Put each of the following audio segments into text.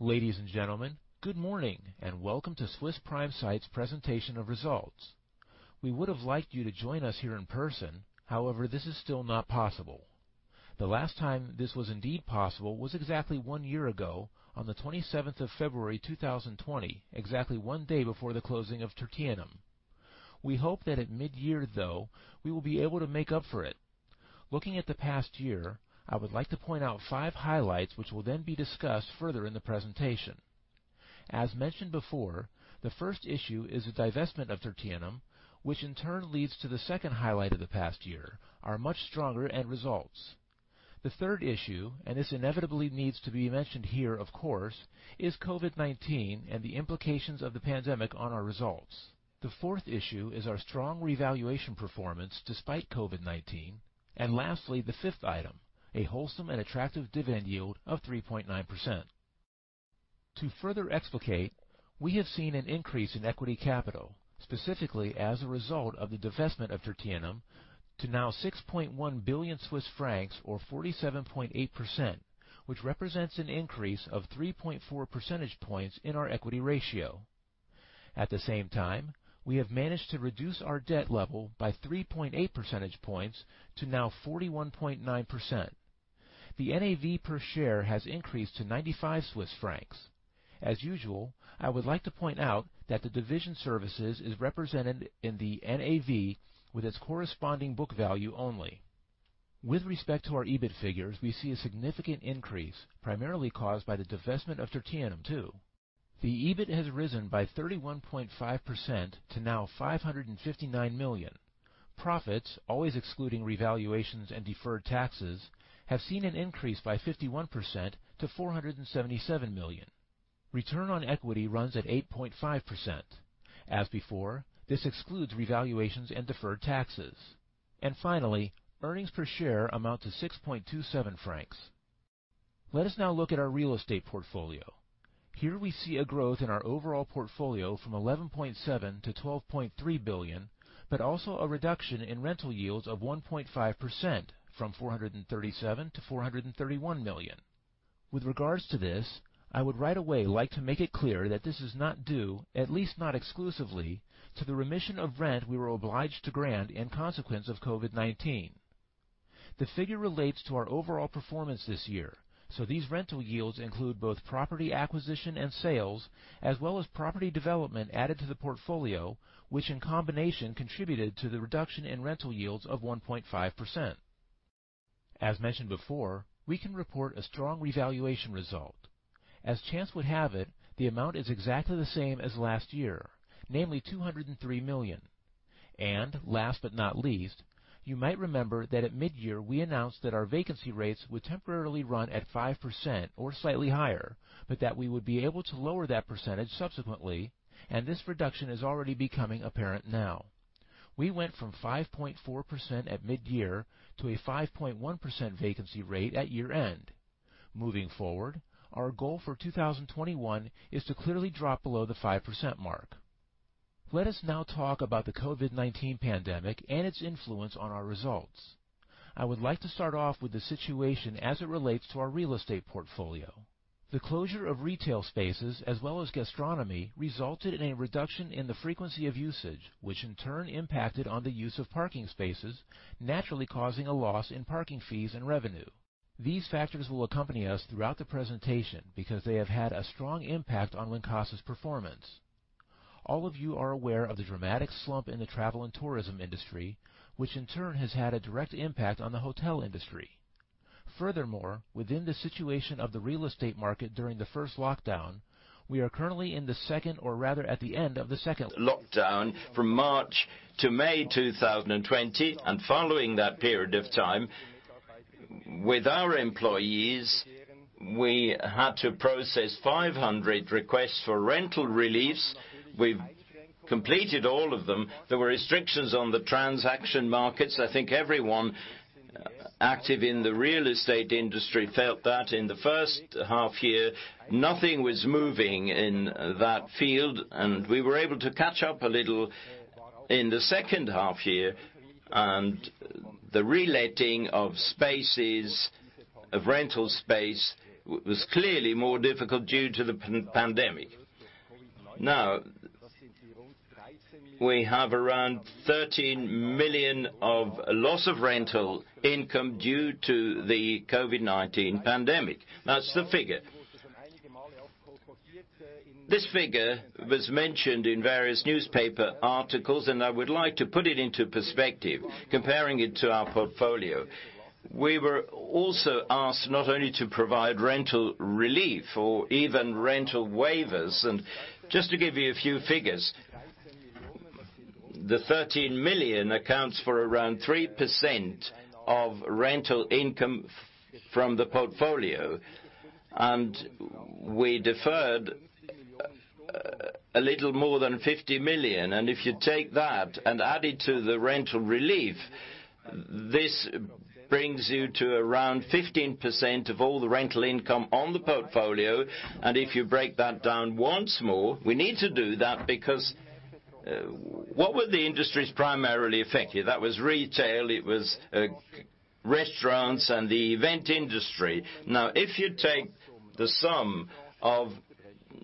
Ladies and gentlemen, good morning and welcome to Swiss Prime Site's presentation of results. We would have liked you to join us here in person, however, this is still not possible. The last time this was indeed possible was exactly one year ago on the 27th of February 2020, exactly one day before the closing of Tertianum. We hope that at mid-year, though, we will be able to make up for it. Looking at the past year, I would like to point out five highlights which will then be discussed further in the presentation. As mentioned before, the first issue is the divestment of Tertianum, which in turn leads to the second highlight of the past year, our much stronger end results. The third issue, and this inevitably needs to be mentioned here, of course, is COVID-19 and the implications of the pandemic on our results. The fourth issue is our strong revaluation performance despite COVID-19, and lastly, the fifth item, a wholesome and attractive dividend yield of 3.9%. To further explicate, we have seen an increase in equity capital, specifically as a result of the divestment of Tertianum to now 6.1 billion Swiss francs or 47.8%, which represents an increase of 3.4 percentage points in our equity ratio. At the same time, we have managed to reduce our debt level by 3.8 percentage points to now 41.9%. The NAV per share has increased to 95 Swiss francs. As usual, I would like to point out that the division services is represented in the NAV with its corresponding book value only. With respect to our EBIT figures, we see a significant increase, primarily caused by the divestment of Tertianum, too. The EBIT has risen by 31.5% to now CHF 559 million. Profits, always excluding revaluations and deferred taxes, have seen an increase by 51% to 477 million. Return on equity runs at 8.5%. As before, this excludes revaluations and deferred taxes. Finally, earnings per share amount to 6.27 francs. Let us now look at our real estate portfolio. Here we see a growth in our overall portfolio from 11.7 billion to 12.3 billion, but also a reduction in rental yields of 1.5% from 437 million to 431 million. With regards to this, I would right away like to make it clear that this is not due, at least not exclusively, to the remission of rent we were obliged to grant in consequence of COVID-19. The figure relates to our overall performance this year, so these rental yields include both property acquisition and sales, as well as property development added to the portfolio, which in combination contributed to the reduction in rental yields of 1.5%. As mentioned before, we can report a strong revaluation result. As chance would have it, the amount is exactly the same as last year, namely 203 million. Last but not least, you might remember that at mid-year we announced that our vacancy rates would temporarily run at 5% or slightly higher, but that we would be able to lower that percentage subsequently, and this reduction is already becoming apparent now. We went from 5.4% at mid-year to a 5.1% vacancy rate at year-end. Moving forward, our goal for 2021 is to clearly drop below the 5% mark. Let us now talk about the COVID-19 pandemic and its influence on our results. I would like to start off with the situation as it relates to our real estate portfolio. The closure of retail spaces as well as gastronomy resulted in a reduction in the frequency of usage, which in turn impacted on the use of parking spaces, naturally causing a loss in parking fees and revenue. These factors will accompany us throughout the presentation because they have had a strong impact on Wincasa's performance. All of you are aware of the dramatic slump in the travel and tourism industry, which in turn has had a direct impact on the hotel industry. Within the situation of the real estate market during the first lockdown, we are currently in the second or rather at the end of the second lockdown. Lockdown from March to May 2020, and following that period of time, with our employees, we had to process 500 requests for rental reliefs. We've completed all of them. There were restrictions on the transaction markets. I think everyone active in the real estate industry felt that in the first half year, nothing was moving in that field, and we were able to catch up a little in the second half year, and the reletting of rental space was clearly more difficult due to the pandemic. We have around 13 million of loss of rental income due to the COVID-19 pandemic. That's the figure. This figure was mentioned in various newspaper articles, and I would like to put it into perspective, comparing it to our portfolio. We were also asked not only to provide rental relief or even rental waivers. Just to give you a few figures, the 13 million accounts for around 3% of rental income from the portfolio, we deferred a little more than 50 million. If you take that and add it to the rental relief, this brings you to around 15% of all the rental income on the portfolio. If you break that down once more, we need to do that. What were the industries primarily affected? That was retail, it was restaurants, and the event industry. If you take the sum of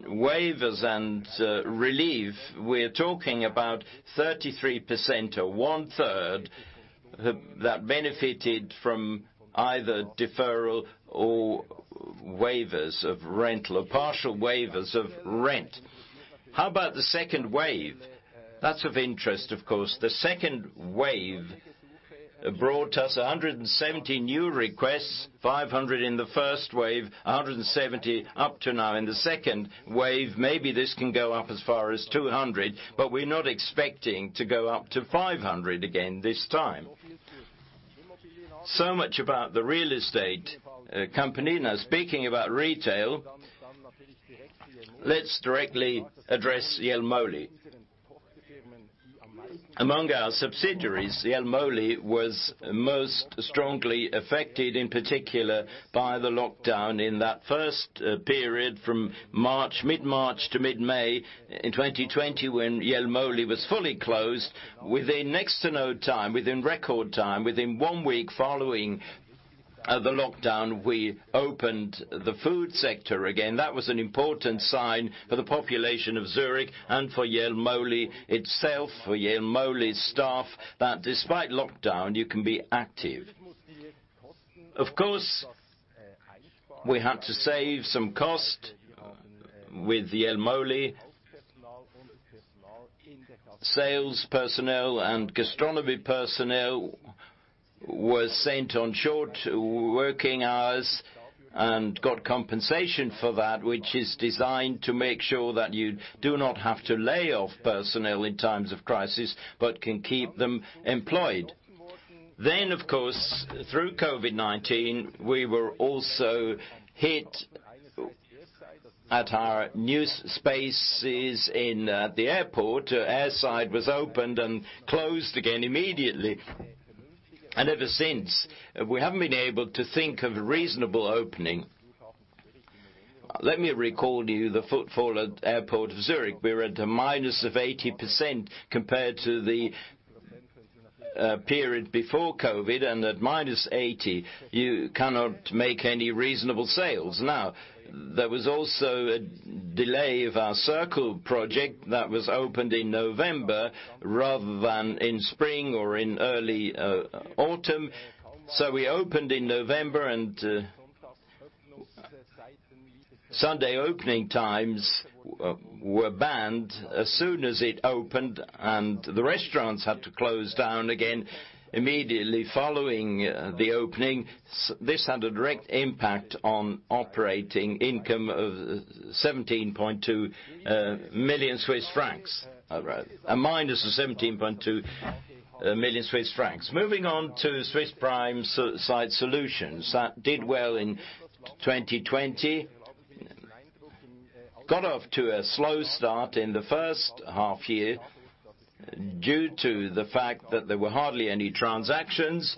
waivers and relief, we're talking about 33% or one-third that benefited from either deferral or waivers of rent or partial waivers of rent. How about the second wave? That's of interest, of course. The second wave brought us 170 new requests, 500 in the first wave, 170 up to now in the second wave. Maybe this can go up as far as 200, but we're not expecting to go up to 500 again this time. Much about the real estate company. Now, speaking about retail, let's directly address Jelmoli. Among our subsidiaries, Jelmoli was most strongly affected in particular by the lockdown in that first period from mid-March to mid-May in 2020, when Jelmoli was fully closed. Within next to no time, within record time, within one week following the lockdown, we opened the food sector again. That was an important sign for the population of Zurich and for Jelmoli itself, for Jelmoli staff, that despite lockdown, you can be active. Of course, we had to save some cost with Jelmoli. Sales personnel and gastronomy personnel were sent on short working hours and got compensation for that, which is designed to make sure that you do not have to lay off personnel in times of crisis but can keep them employed. Of course, through COVID-19, we were also hit at our new spaces in the airport. Airside was opened and closed again immediately, ever since, we haven't been able to think of a reasonable opening. Let me recall to you the footfall at Airport Zurich. We were at a minus of 80% compared to the period before COVID, at minus 80, you cannot make any reasonable sales. There was also a delay of our Circle project that was opened in November rather than in spring or in early autumn. We opened in November. Sunday opening times were banned as soon as it opened. The restaurants had to close down again immediately following the opening. This had a direct impact on operating income of 17.2 million Swiss francs. A minus of 17.2 million Swiss francs. Moving on to Swiss Prime Site Solutions. That did well in 2020. Got off to a slow start in the first half year due to the fact that there were hardly any transactions.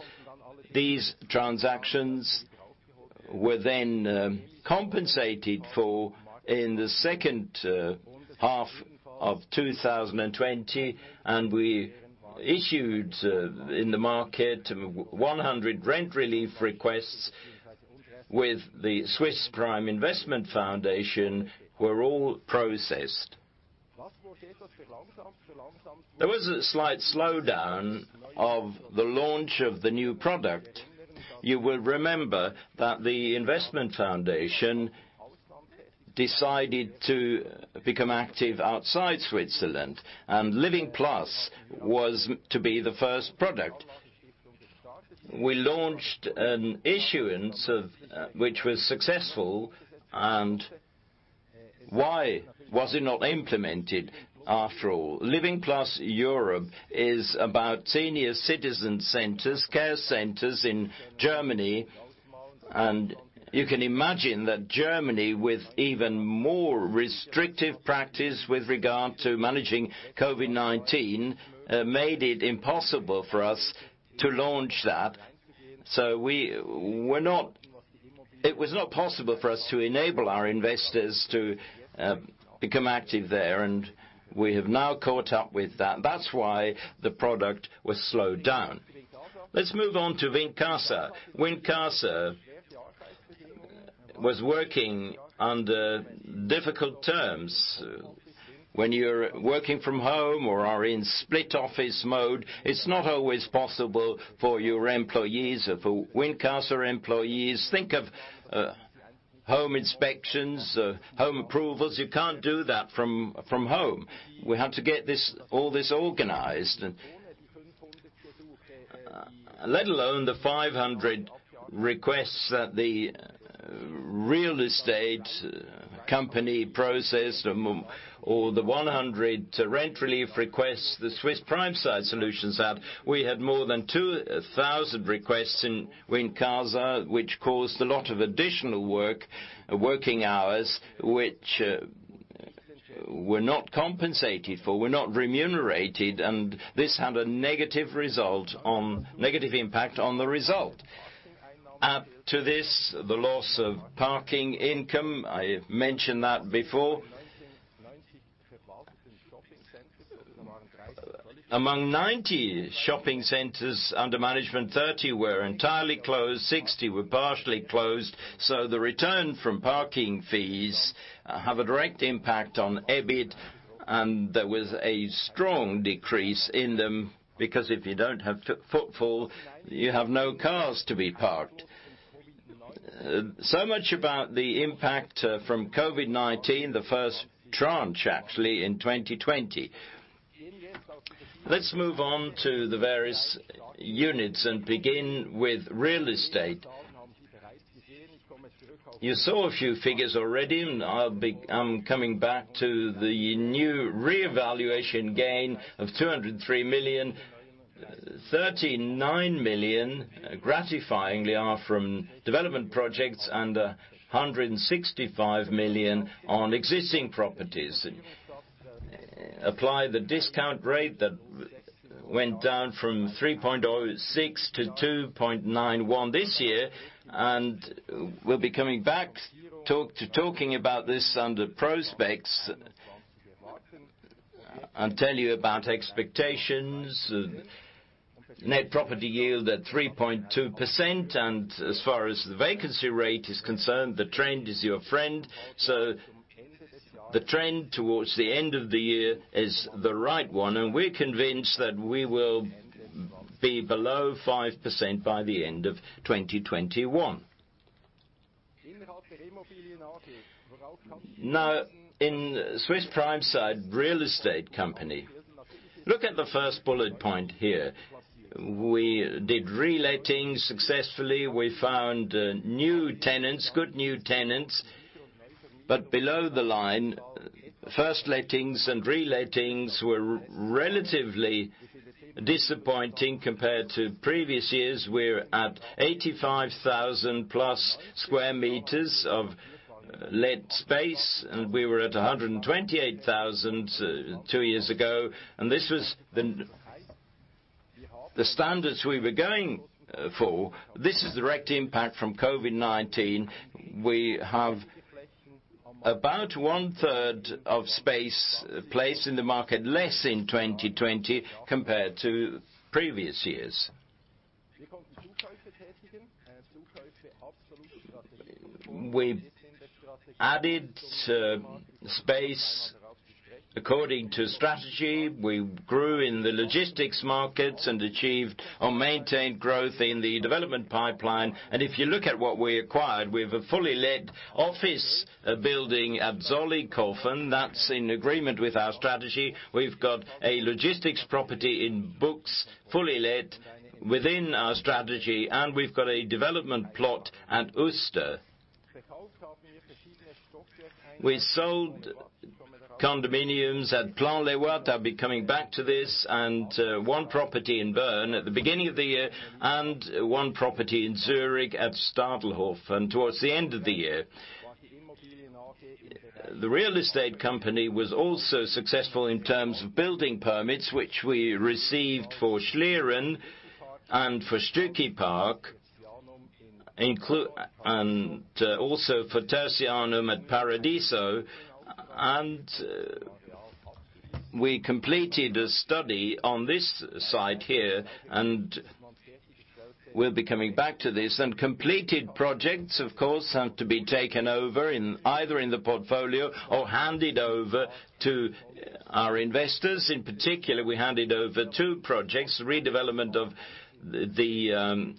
These transactions were then compensated for in the second half of 2020. We issued in the market 100 rent relief requests with the Swiss Prime Investment Foundation were all processed. There was a slight slowdown of the launch of the new product. You will remember that the investment foundation decided to become active outside Switzerland. Living Plus was to be the first product. We launched an issuance which was successful. Why was it not implemented after all? Living Plus Europe is about senior citizen centers, care centers in Germany. You can imagine that Germany, with even more restrictive practice with regard to managing COVID-19, made it impossible for us to launch that. It was not possible for us to enable our investors to become active there. We have now caught up with that. That's why the product was slowed down. Let's move on to Wincasa. Wincasa was working under difficult terms. When you're working from home or are in split-office mode, it's not always possible for your employees or for Wincasa employees. Think of home inspections, home approvals. You can't do that from home. We had to get all this organized. Let alone the 500 requests that the real estate company processed or the 100 rent relief requests the Swiss Prime Site Solutions had. We had more than 2,000 requests in Wincasa, which caused a lot of additional working hours, which were not compensated for, were not remunerated, and this had a negative impact on the result. Add to this the loss of parking income. I mentioned that before. Among 90 shopping centers under management, 30 were entirely closed, 60 were partially closed. The return from parking fees have a direct impact on EBIT, there was a strong decrease in them. If you don't have footfall, you have no cars to be parked. Much about the impact from COVID-19, the first tranche, actually, in 2020. Let's move on to the various units and begin with real estate. You saw a few figures already. I'm coming back to the new revaluation gain of 203 million. 39 million, gratifyingly, are from development projects, and 165 million on existing properties. Apply the discount rate that went down from 3.06 to 2.91 this year, and we'll be coming back to talking about this under prospects and tell you about expectations. Net property yield at 3.2%, and as far as the vacancy rate is concerned, the trend is your friend. The trend towards the end of the year is the right one, and we're convinced that we will be below 5% by the end of 2021. Now, in Swiss Prime Site real estate company, look at the first bullet point here. We did relettings successfully. We found new tenants, good new tenants. Below the line, first lettings and relettings were relatively disappointing compared to previous years. We're at 85,000+ sq m of let space. We were at 128,000 two years ago. This was the standards we were going for. This is the direct impact from COVID-19. We have about one-third of space placed in the market less in 2020 compared to previous years. We added space according to strategy. We grew in the logistics markets and achieved or maintained growth in the development pipeline. If you look at what we acquired, we have a fully let office building at Zollikofen. That's in agreement with our strategy. We've got a logistics property in Buchs, fully let within our strategy. We've got a development plot at Uster. We sold condominiums at Plan-les-Ouates. I'll be coming back to this. One property in Bern at the beginning of the year and one property in Zurich at Stadelhofen towards the end of the year. The real estate company was also successful in terms of building permits, which we received for Schlieren and for Stücki Park, and also for Tertianum at Paradiso. We completed a study on this site here, and we'll be coming back to this. Completed projects, of course, have to be taken over, either in the portfolio or handed over to our investors. In particular, we handed over two projects, redevelopment of the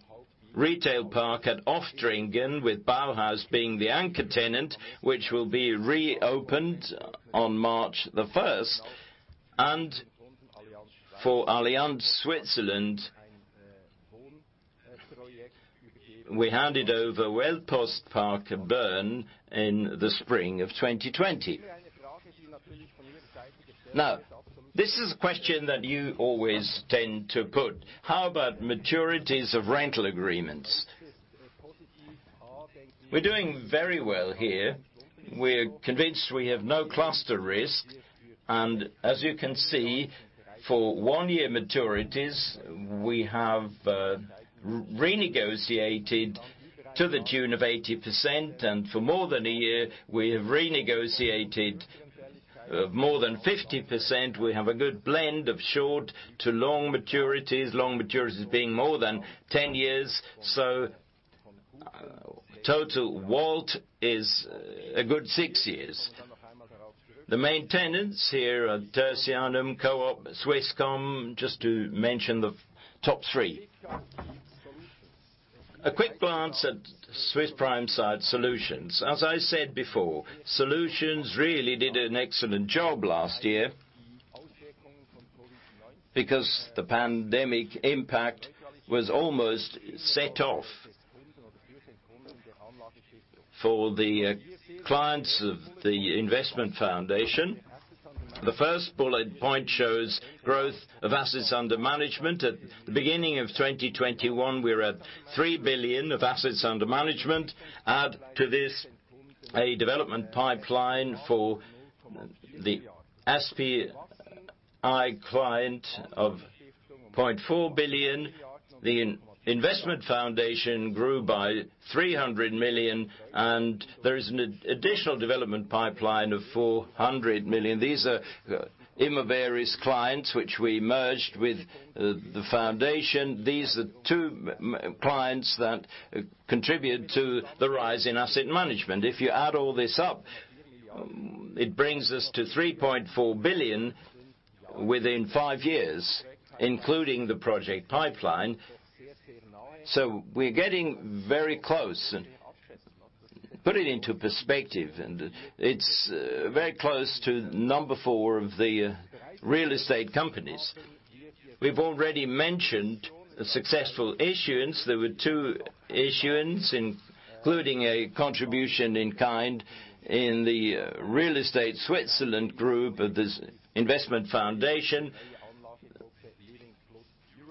retail park at Oftringen, with Bauhaus being the anchor tenant, which will be reopened on March the 1st. For Allianz Suisse, we handed over Weltpostpark Bern in the spring of 2020. Now, this is a question that you always tend to put. How about maturities of rental agreements? We're doing very well here. We're convinced we have no cluster risk. As you can see, for 1-year maturities, we have renegotiated to the tune of 80%. For more than a year, we have renegotiated more than 50%. We have a good blend of short to long maturities, long maturities being more than 10 years. Total wallet is a good six years. The main tenants here are Tertianum, Coop, Swisscom, just to mention the top three. A quick glance at Swiss Prime Site Solutions. As I said before, Solutions really did an excellent job last year because the pandemic impact was almost set off for the clients of the investment foundation. The first bullet point shows growth of assets under management. At the beginning of 2021, we were at 3 billion of assets under management. Add to this a development pipeline for the SPIF client of 0.4 billion. The investment foundation grew by 300 million, and there is an additional development pipeline of 400 million. These are Immoberry's clients, which we merged with the foundation. These are two clients that contribute to the rise in asset management. If you add all this up, it brings us to 3.4 billion within five years, including the project pipeline. We're getting very close, and put it into perspective, it's very close to number 4 of the real estate companies. We've already mentioned the successful issuance. There were two issuances, including a contribution in kind in the Real Estate Switzerland group of this investment foundation.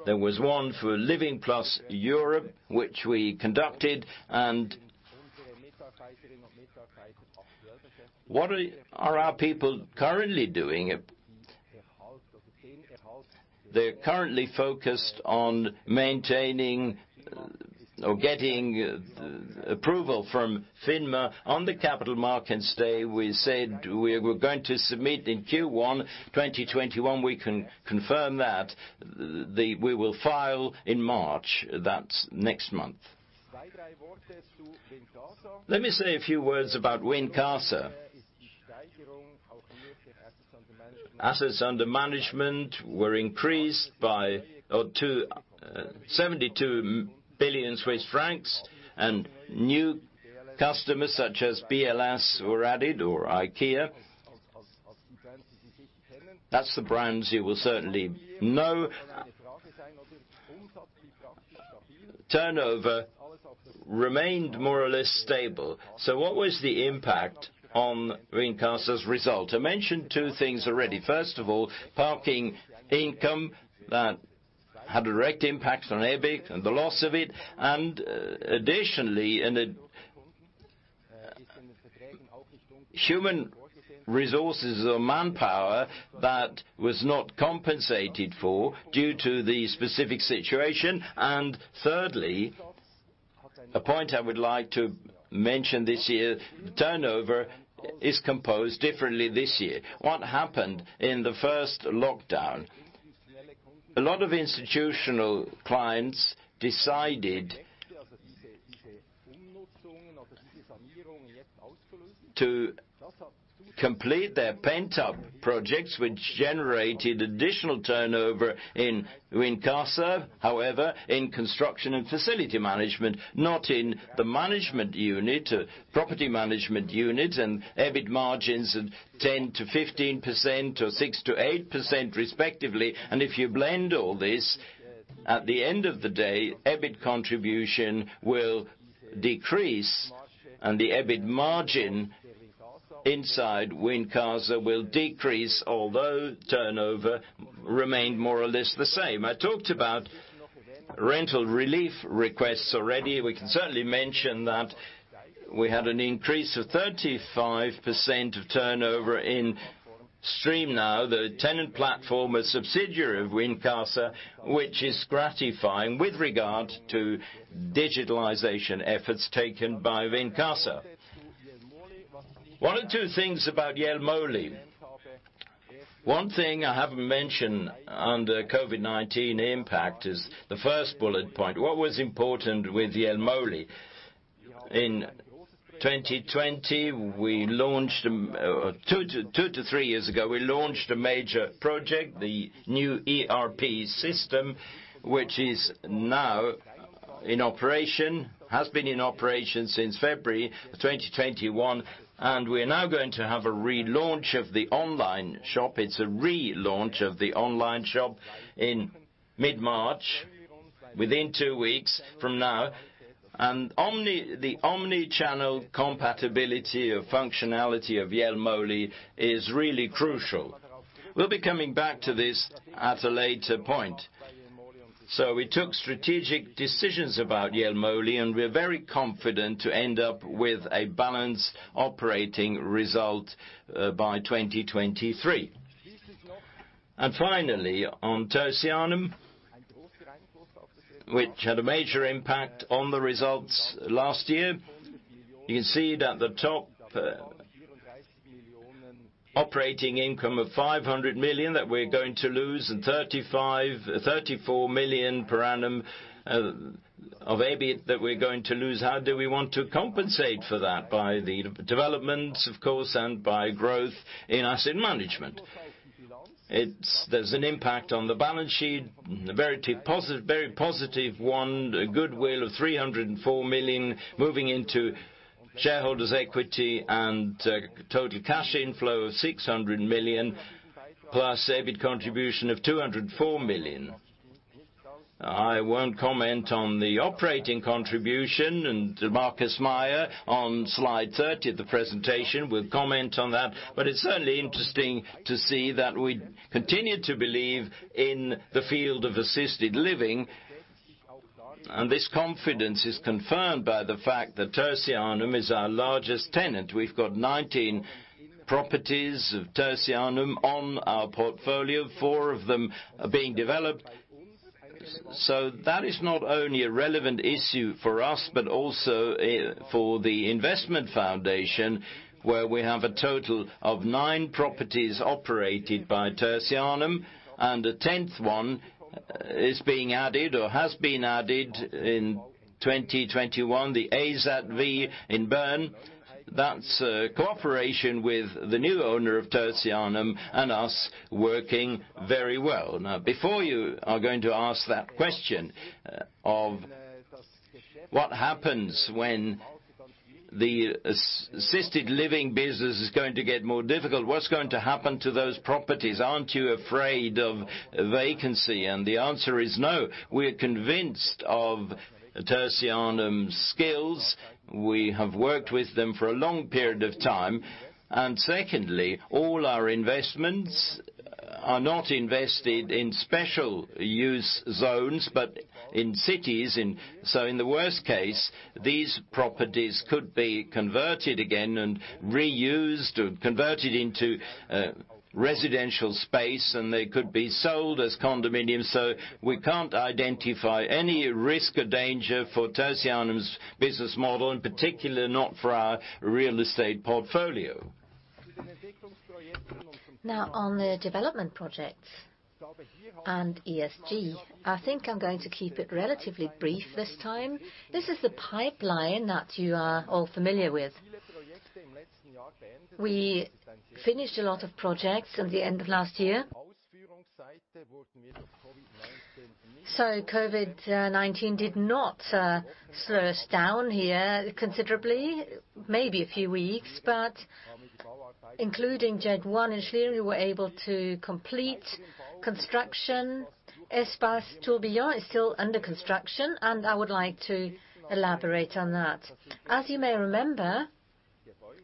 There was one for Living Plus Europe, which we conducted. What are our people currently doing? They're currently focused on maintaining or getting approval from FINMA. On the Capital Markets Day, we said we're going to submit in Q1 2021. We can confirm that. We will file in March. That's next month. Let me say a few words about Wincasa. Assets under management were increased by 72 billion Swiss francs, new customers such as BLS were added, or IKEA. That's the brands you will certainly know. Turnover remained more or less stable. What was the impact on Wincasa's result? I mentioned two things already. First of all, parking income that had a direct impact on EBIT and the loss of it, and additionally, human resources or manpower that was not compensated for due to the specific situation. Thirdly, a point I would like to mention this year, turnover is composed differently this year. What happened in the first lockdown? A lot of institutional clients decided to complete their pent-up projects, which generated additional turnover in Wincasa. However, in construction and facility management, not in the management unit, property management unit, and EBIT margins of 10%-15% or 6%-8%, respectively. If you blend all this, at the end of the day, EBIT contribution will decrease, and the EBIT margin inside Wincasa will decrease, although turnover remained more or less the same. I talked about rental relief requests already. We can certainly mention that we had an increase of 35% of turnover in StreamNow, the tenant platform, a subsidiary of Wincasa, which is gratifying with regard to digitalization efforts taken by Wincasa. One or two things about Jelmoli. One thing I haven't mentioned under COVID-19 impact is the first bullet point. What was important with Jelmoli? Two to three years ago, we launched a major project, the new ERP system, which is now in operation, has been in operation since February 2021, we are now going to have a relaunch of the online shop. It's a relaunch of the online shop in mid-March, within two weeks from now. The Omnichannel compatibility of functionality of Jelmoli is really crucial. We'll be coming back to this at a later point. We took strategic decisions about Jelmoli, and we are very confident to end up with a balanced operating result by 2023. Finally, on Tertianum, which had a major impact on the results last year. You can see it at the top. Operating income of 500 million that we're going to lose, and 34 million per annum of EBIT that we're going to lose. How do we want to compensate for that? By the development, of course, and by growth in asset management. There's an impact on the balance sheet, a very positive one, a goodwill of 304 million moving into shareholders' equity and total cash inflow of 600 million, plus EBIT contribution of 204 million. I won't comment on the operating contribution. Markus Meier, on slide 30 of the presentation, will comment on that. It's certainly interesting to see that we continue to believe in the field of assisted living. This confidence is confirmed by the fact that Tertianum is our largest tenant. We've got 19 properties of Tertianum on our portfolio, four of them are being developed. That is not only a relevant issue for us, but also for the investment foundation, where we have a total of nine properties operated by Tertianum, and a 10th one is being added or has been added in 2021. The ASAT V in Bern, that's a cooperation with the new owner of Tertianum and us working very well. Before you are going to ask that question of what happens when the assisted living business is going to get more difficult, what's going to happen to those properties? Aren't you afraid of vacancy? The answer is no. We're convinced of Tertianum's skills. We have worked with them for a long period of time. Secondly, all our investments are not invested in special use zones, but in cities. In the worst case, these properties could be converted again and reused, or converted into residential space, and they could be sold as condominiums. We can't identify any risk or danger for Tertianum's business model, and particularly not for our real estate portfolio. On the development projects and ESG, I think I'm going to keep it relatively brief this time. This is the pipeline that you are all familiar with. We finished a lot of projects at the end of last year. COVID-19 did not slow us down here considerably, maybe a few weeks. Including JED in Schlieren, we were able to complete construction. Espace Tourbillon is still under construction. I would like to elaborate on that. As you may remember,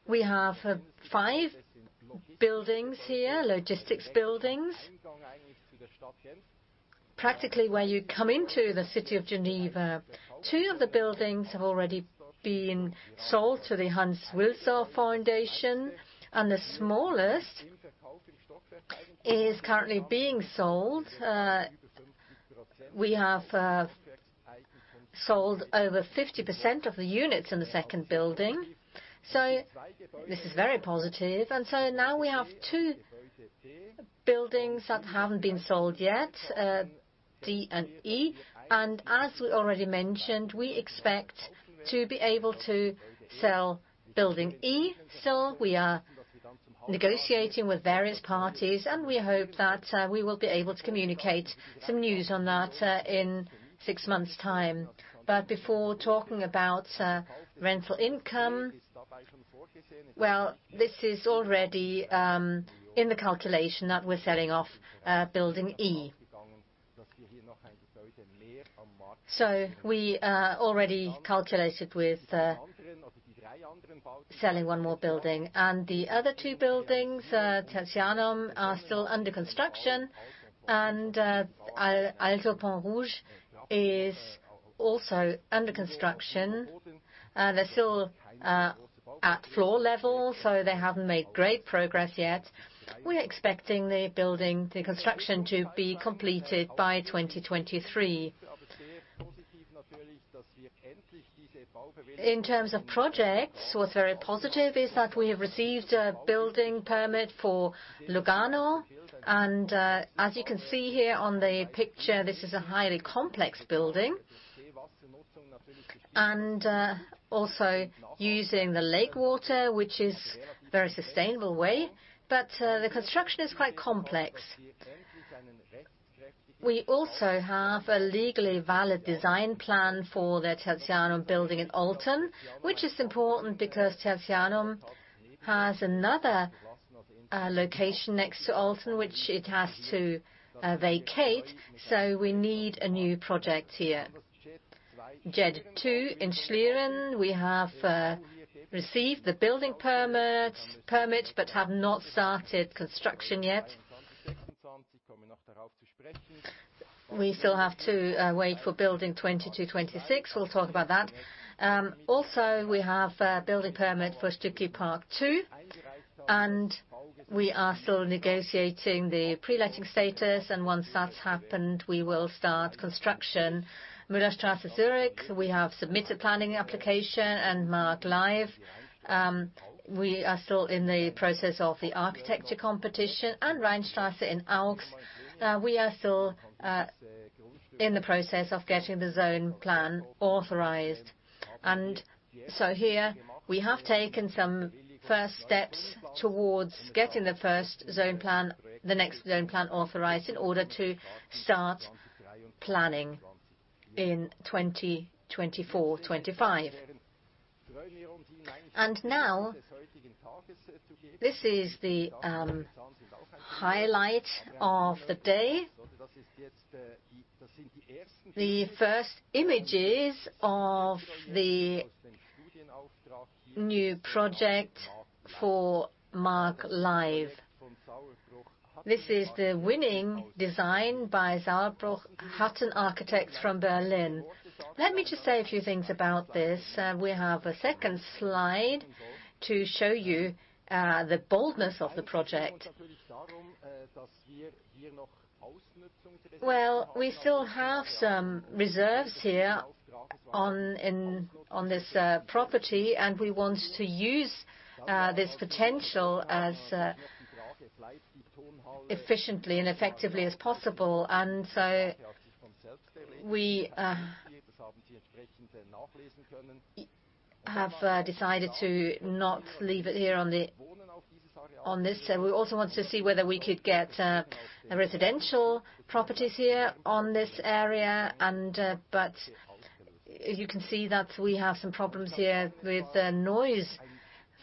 we have five buildings here, logistics buildings, practically where you come into the city of Geneva. Two of the buildings have already been sold to the Hans Wilsdorf Foundation. The smallest is currently being sold. We have sold over 50% of the units in the second building. This is very positive. Now we have two buildings that haven't been sold yet, D and E. As we already mentioned, we expect to be able to sell building E. We are negotiating with various parties, and we hope that we will be able to communicate some news on that in six months' time. Before talking about rental income, well, this is already in the calculation that we're selling off building E. We already calculated with selling one more building. The other two buildings, Tertianum, are still under construction. Also Pont Rouge is also under construction. They're still at floor level, so they haven't made great progress yet. We're expecting the construction to be completed by 2023. In terms of projects, what's very positive is that we have received a building permit for Lugano. As you can see here on the picture, this is a highly complex building. Also using the lake water, which is very sustainable way, but the construction is quite complex. We also have a legally valid design plan for the Tertianum building in Olten, which is important because Tertianum has another location next to Olten, which it has to vacate. We need a new project here. JED in Schlieren, we have received the building permit, but have not started construction yet. We still have to wait for building 22, 26. We'll talk about that. Also, we have a building permit for Stücki Park II, and we are still negotiating the pre-letting status. Once that's happened, we will start construction. Müllerstrasse, Zurich, we have submitted planning application, and Maaglive. We are still in the process of the architecture competition. Rheinstrasse in Augst, we are still in the process of getting the zone plan authorized. Here we have taken some first steps towards getting the next zone plan authorized in order to start planning in 2024, 2025. Now, this is the highlight of the day. The first images of the new project for Maaglive. This is the winning design by Sauerbruch Hutton Architects from Berlin. Let me just say a few things about this. We have a second slide to show you the boldness of the project. Well, we still have some reserves here on this property, and we want to use this potential as efficiently and effectively as possible. We have decided to not leave it here on this. We also want to see whether we could get residential properties here on this area. You can see that we have some problems here with the noise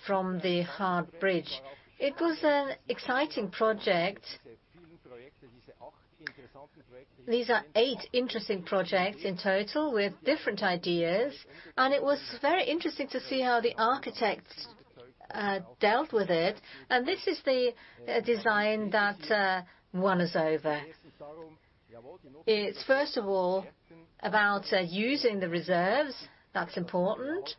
from the Hardbrücke. It was an exciting project. These are eight interesting projects in total with different ideas, and it was very interesting to see how the architects dealt with it. This is the design that won us over. It's first of all about using the reserves. That's important.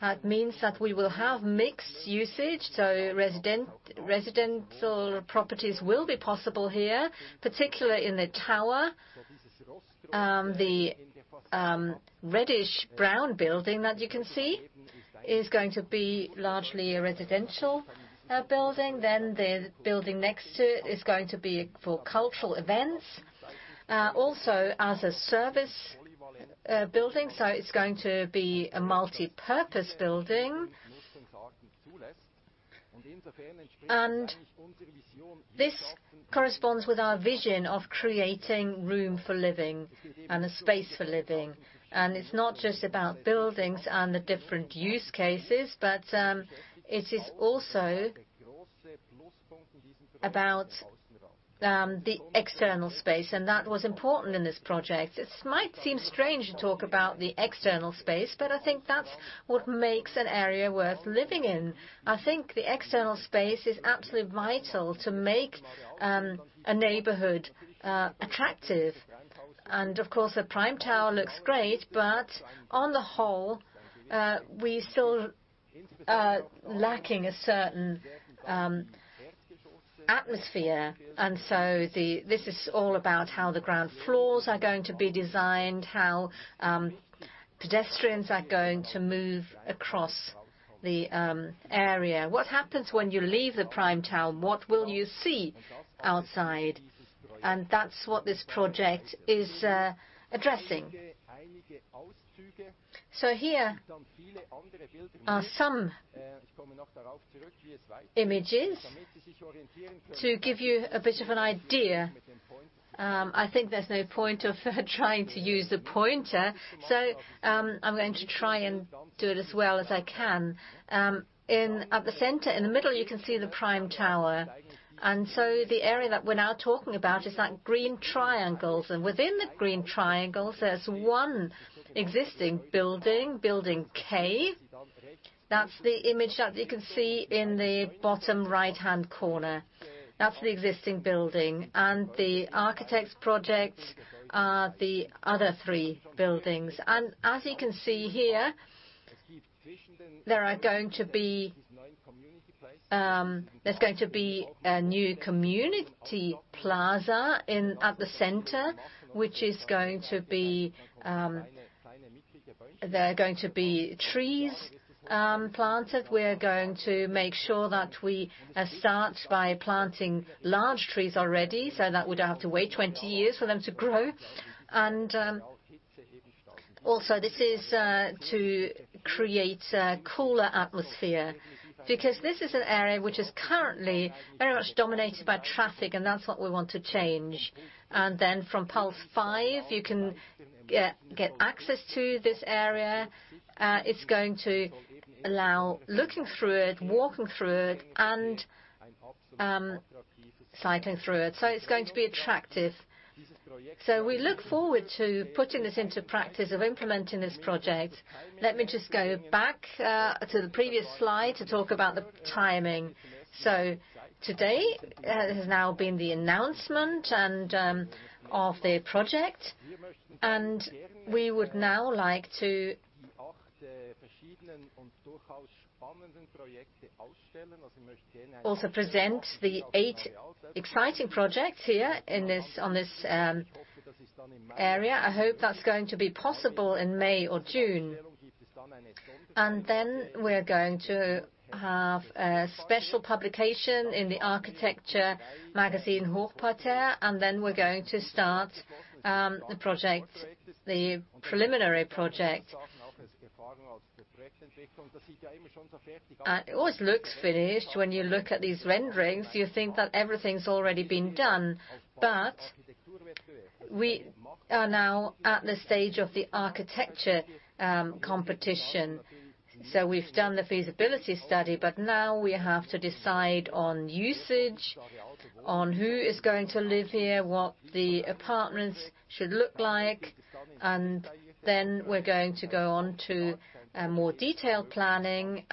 That means that we will have mixed usage, so residential properties will be possible here, particularly in the tower. The reddish brown building that you can see is going to be largely a residential building. The building next to it is going to be for cultural events, also as a service building. It's going to be a multipurpose building. This corresponds with our vision of creating room for living and a space for living. It's not just about buildings and the different use cases, but it is also about the external space, and that was important in this project. This might seem strange to talk about the external space, but I think that's what makes an area worth living in. I think the external space is absolutely vital to make a neighborhood attractive. Of course, the Prime Tower looks great, but on the whole, we're still lacking a certain atmosphere. This is all about how the ground floors are going to be designed, how pedestrians are going to move across the area. What happens when you leave the Prime Tower? What will you see outside? That's what this project is addressing. Here are some images to give you a bit of an idea. I think there's no point of trying to use the pointer, so I'm going to try and do it as well as I can. At the center, in the middle, you can see the Prime Tower. The area that we're now talking about is that green triangles. Within the green triangles, there's one existing building, Building K. That's the image that you can see in the bottom right-hand corner. That's the existing building. The architect's project are the other three buildings. As you can see here, there's going to be a new community plaza at the center. There are going to be trees planted. We're going to make sure that we start by planting large trees already, so that we don't have to wait 20 years for them to grow. Also, this is to create a cooler atmosphere because this is an area which is currently very much dominated by traffic, and that's what we want to change. From Puls 5, you can get access to this area. It's going to allow looking through it, walking through it, and cycling through it. It's going to be attractive. We look forward to putting this into practice of implementing this project. Let me just go back to the previous slide to talk about the timing. Today has now been the announcement of the project, and we would now like to also present the eight exciting projects here on this area. I hope that's going to be possible in May or June. We're going to have a special publication in the architecture magazine, Hochparterre, and then we're going to start the project, the preliminary project. It always looks finished when you look at these renderings. You think that everything's already been done. We are now at the stage of the architecture competition. We've done the feasibility study, but now we have to decide on usage, on who is going to live here, what the apartments should look like, then we're going to go on to more detailed planning.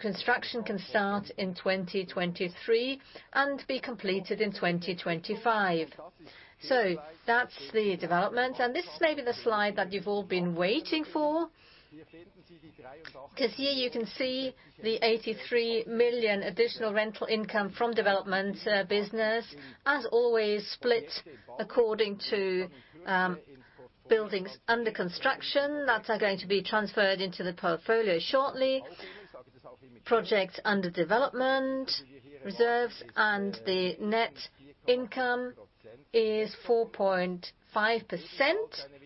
Construction can start in 2023 and be completed in 2025. That's the development. This may be the slide that you've all been waiting for, because here you can see the 83 million additional rental income from development business. As always, split according to buildings under construction that are going to be transferred into the portfolio shortly. Projects under development, reserves, and the net income is 4.5%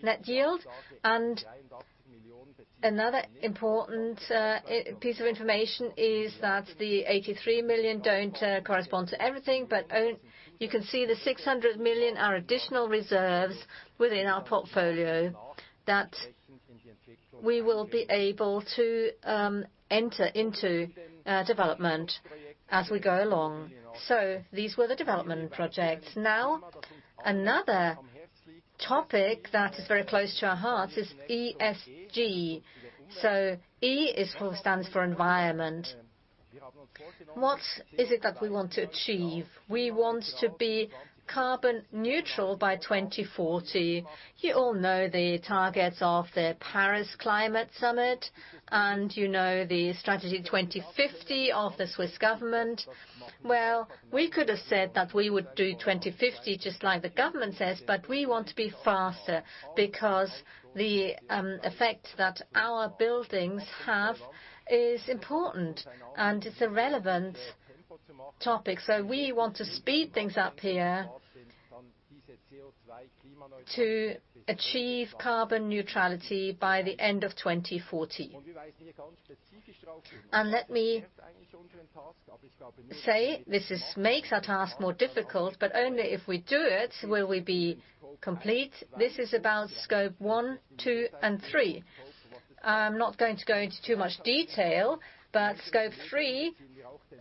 net yield. Another important piece of information is that the 83 million don't correspond to everything, but you can see the 600 million are additional reserves within our portfolio that we will be able to enter into development as we go along. These were the development projects. Another topic that is very close to our hearts is ESG. E stands for environment. What is it that we want to achieve? We want to be carbon neutral by 2040. You all know the targets of the Paris Climate Summit, and you know the Strategy 2050 of the Swiss government. We could have said that we would do 2050, just like the government says, but we want to be faster because the effect that our buildings have is important and it's a relevant topic. We want to speed things up here to achieve carbon neutrality by the end of 2040. Let me say, this makes our task more difficult, but only if we do it will we be complete. This is about Scope 1, 2, and 3. I'm not going to go into too much detail, Scope 3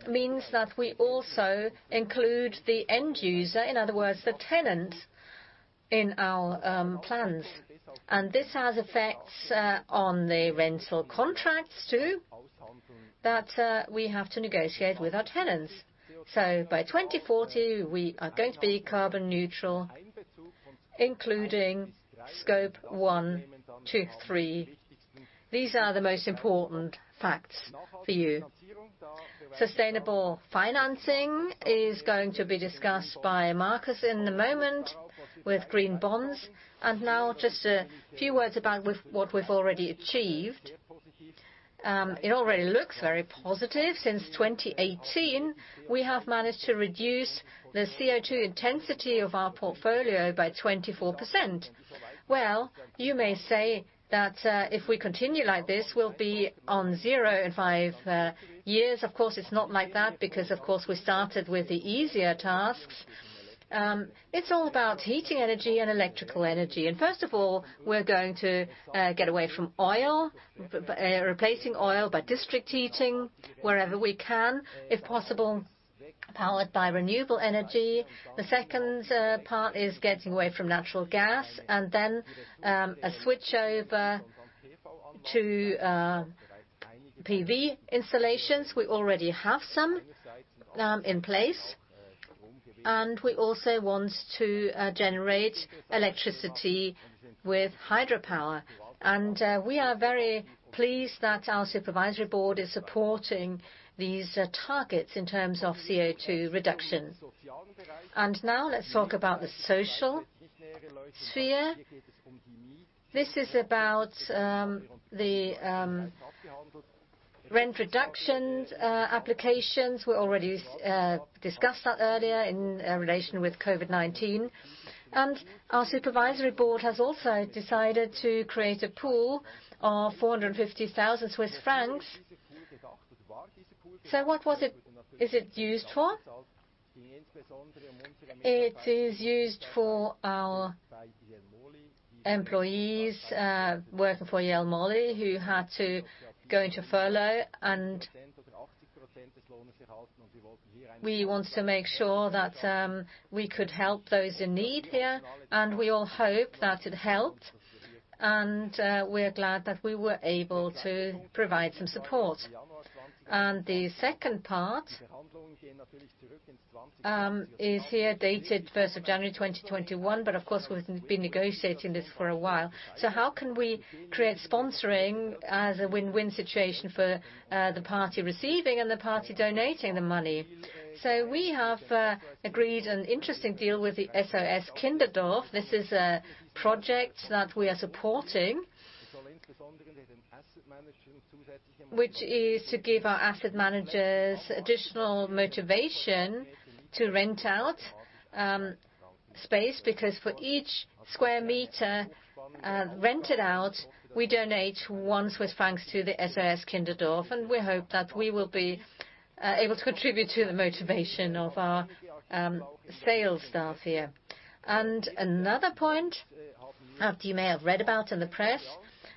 means that we also include the end user, in other words, the tenant, in our plans. This has effects on the rental contracts too, that we have to negotiate with our tenants. By 2040, we are going to be carbon neutral, including Scope 1, 2, 3. These are the most important facts for you. Sustainable financing is going to be discussed by Markus in a moment with green bonds. Now just a few words about what we've already achieved. It already looks very positive. Since 2018, we have managed to reduce the CO2 intensity of our portfolio by 24%. Well, you may say that if we continue like this, we'll be on zero in five years. Of course, it's not like that because, of course, we started with the easier tasks. It's all about heating energy and electrical energy. First of all, we're going to get away from oil, replacing oil by district heating wherever we can, if possible, powered by renewable energy. The second part is getting away from natural gas, then a switchover to PV installations. We already have some in place, and we also want to generate electricity with hydropower. We are very pleased that our supervisory board is supporting these targets in terms of CO2 reduction. Now let's talk about the social sphere. This is about the rent reduction applications. We already discussed that earlier in relation with COVID-19. Our supervisory board has also decided to create a pool of 450,000 Swiss francs. What is it used for? It is used for our employees working for Jelmoli who had to go into furlough. We want to make sure that we could help those in need here. We all hope that it helped. We're glad that we were able to provide some support. The second part is here dated 1st of January 2021. Of course, we've been negotiating this for a while. How can we create sponsoring as a win-win situation for the party receiving and the party donating the money? We have agreed an interesting deal with the SOS-Kinderdorf. This is a project that we are supporting, which is to give our asset managers additional motivation to rent out space, because for each square meter rented out, we donate 1 Swiss francs to the SOS-Kinderdorf, and we hope that we will be able to contribute to the motivation of our sales staff here. Another point that you may have read about in the press.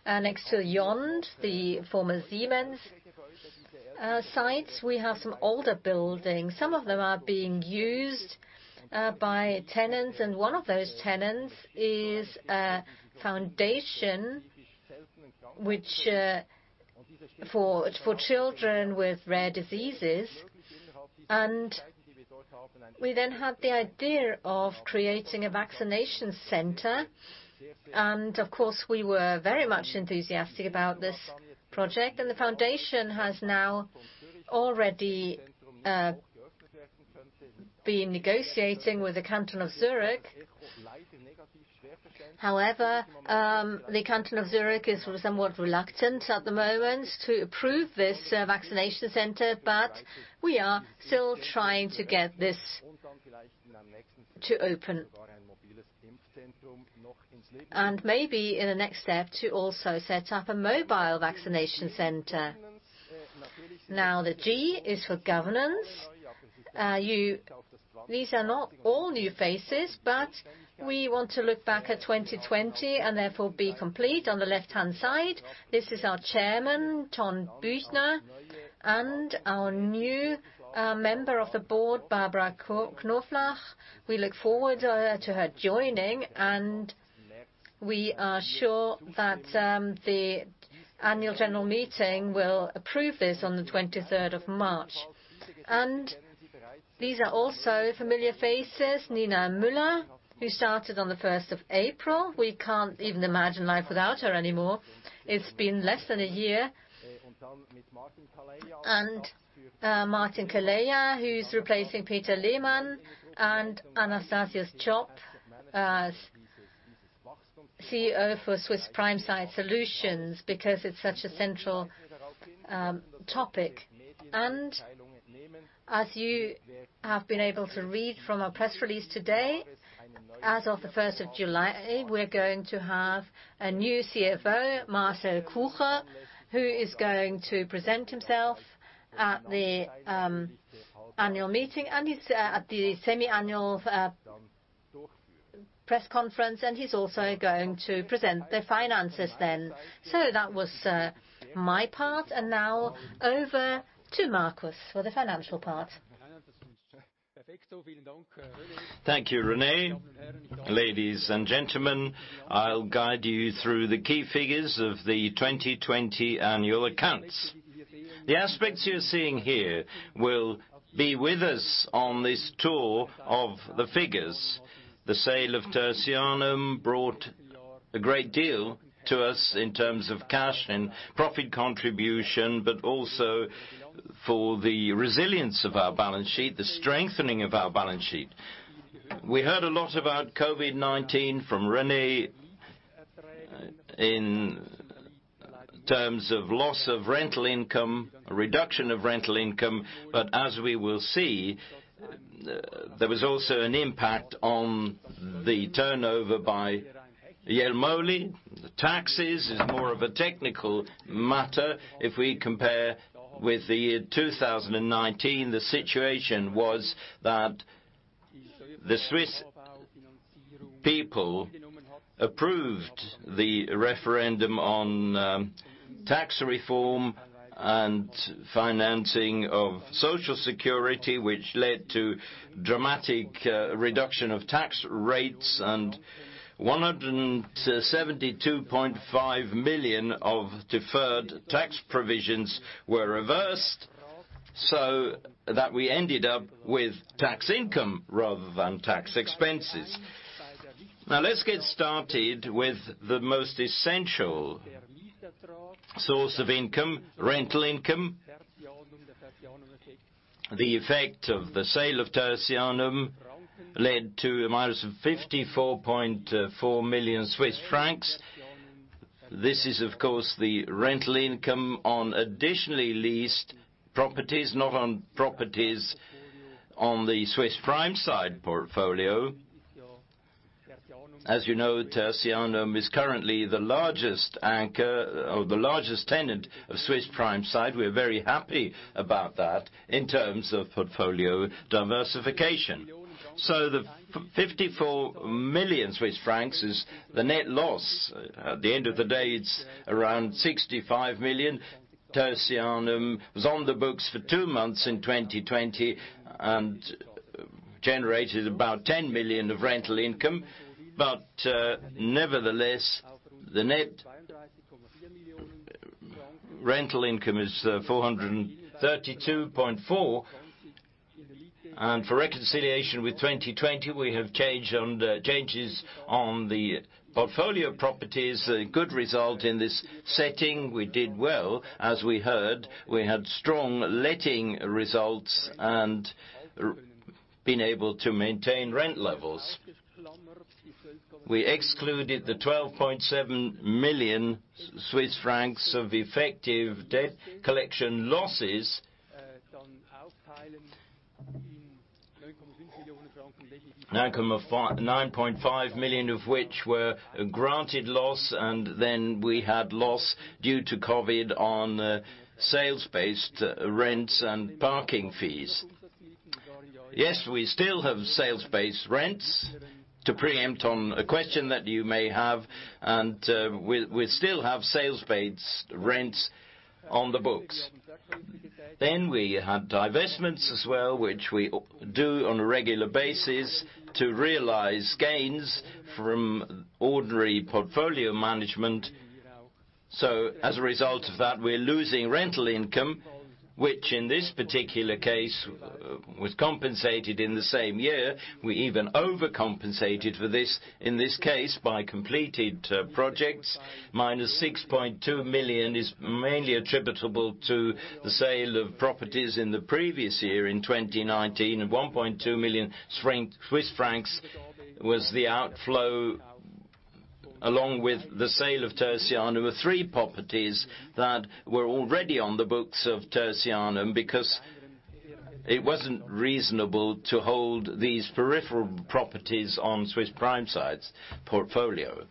Next to Yond, the former Siemens site, we have some older buildings. Some of them are being used by tenants, and one of those tenants is a foundation which for children with rare diseases. We then had the idea of creating a vaccination center. Of course, we were very much enthusiastic about this project, and the foundation has now already been negotiating with the canton of Zurich. The canton of Zurich is somewhat reluctant at the moment to approve this vaccination center, but we are still trying to get this to open. Maybe in the next step, to also set up a mobile vaccination center. Now the G is for governance. These are not all new faces, but we want to look back at 2020 and therefore be complete on the left-hand side. This is our Chairman, Ton Büchner, and our new member of the board, Barbara Knoflach. We look forward to her joining, and we are sure that the annual general meeting will approve this on the 23rd of March. These are also familiar faces. Nina Müller, who started on the 1st of April. We can't even imagine life without her anymore. It's been less than a year. Martin Kaleja, who's replacing Peter Lehmann, and Anastasius Tschopp as CEO for Swiss Prime Site Solutions because it's such a central topic. As you have been able to read from our press release today, as of the 1st of July, we're going to have a new CFO, Marcel Kucher, who is going to present himself at the annual meeting and at the semi-annual press conference, and he's also going to present the finances then. That was my part, and now over to Markus for the financial part. Thank you, René. Ladies and gentlemen, I'll guide you through the key figures of the 2020 annual accounts. The aspects you're seeing here will be with us on this tour of the figures. The sale of Tertianum brought a great deal to us in terms of cash and profit contribution, but also for the resilience of our balance sheet, the strengthening of our balance sheet. We heard a lot about COVID-19 from René in terms of loss of rental income, reduction of rental income. As we will see, there was also an impact on the turnover by Jelmoli. The taxes is more of a technical matter. If we compare with the year 2019, the situation was that the Swiss people approved the referendum on tax reform and financing of Social Security, which led to dramatic reduction of tax rates and 172.5 million of deferred tax provisions were reversed, so that we ended up with tax income rather than tax expenses. Let's get started with the most essential source of income, rental income. The effect of the sale of Tertianum led to a minus of 54.4 million Swiss francs. This is, of course, the rental income on additionally leased properties, not on properties on the Swiss Prime Site portfolio. As you know, Tertianum is currently the largest anchor or the largest tenant of Swiss Prime Site. We're very happy about that in terms of portfolio diversification. The 54 million Swiss francs is the net loss. At the end of the day, it's around 65 million CHF. Tertianum was on the books for two months in 2020 and generated about 10 million of rental income. Nevertheless, the net rental income is 432.4. For reconciliation with 2020, we have changes on the portfolio properties, a good result in this setting. We did well, as we heard. We had strong letting results and been able to maintain rent levels. We excluded the 12.7 million Swiss francs of effective debt collection losses. Now come 9.5 million of which were granted loss, and then we had loss due to COVID on sales-based rents and parking fees. Yes, we still have sales-based rents to preempt on a question that you may have, and we still have sales-based rents on the books. We had divestments as well, which we do on a regular basis to realize gains from ordinary portfolio management. As a result of that, we're losing rental income, which in this particular case was compensated in the same year. We even overcompensated for this, in this case, by completed projects. Minus 6.2 million is mainly attributable to the sale of properties in the previous year, in 2019, and 1.2 million Swiss francs was the outflow along with the sale of Tertianum of three properties that were already on the books of Tertianum because it wasn't reasonable to hold these peripheral properties on Swiss Prime Site's portfolio.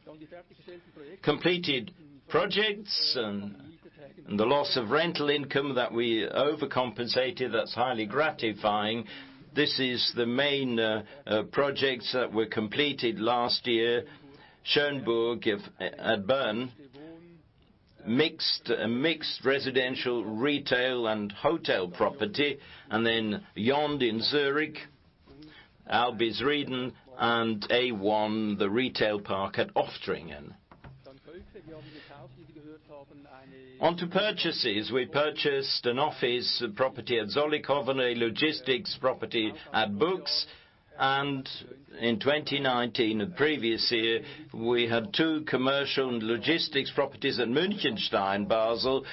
Completed projects and the loss of rental income that we overcompensated, that's highly gratifying. This is the main projects that were completed last year. Schönburg at Bern, a mixed residential, retail, and hotel property. Then Yond in Zurich, Albisrieden, and A1, the retail park at Oftringen. On to purchases. We purchased an office property at Zollikofen, a logistics property at Buchs, and in 2019, the previous year, we had two commercial and logistics properties at Münchenstein, Basel.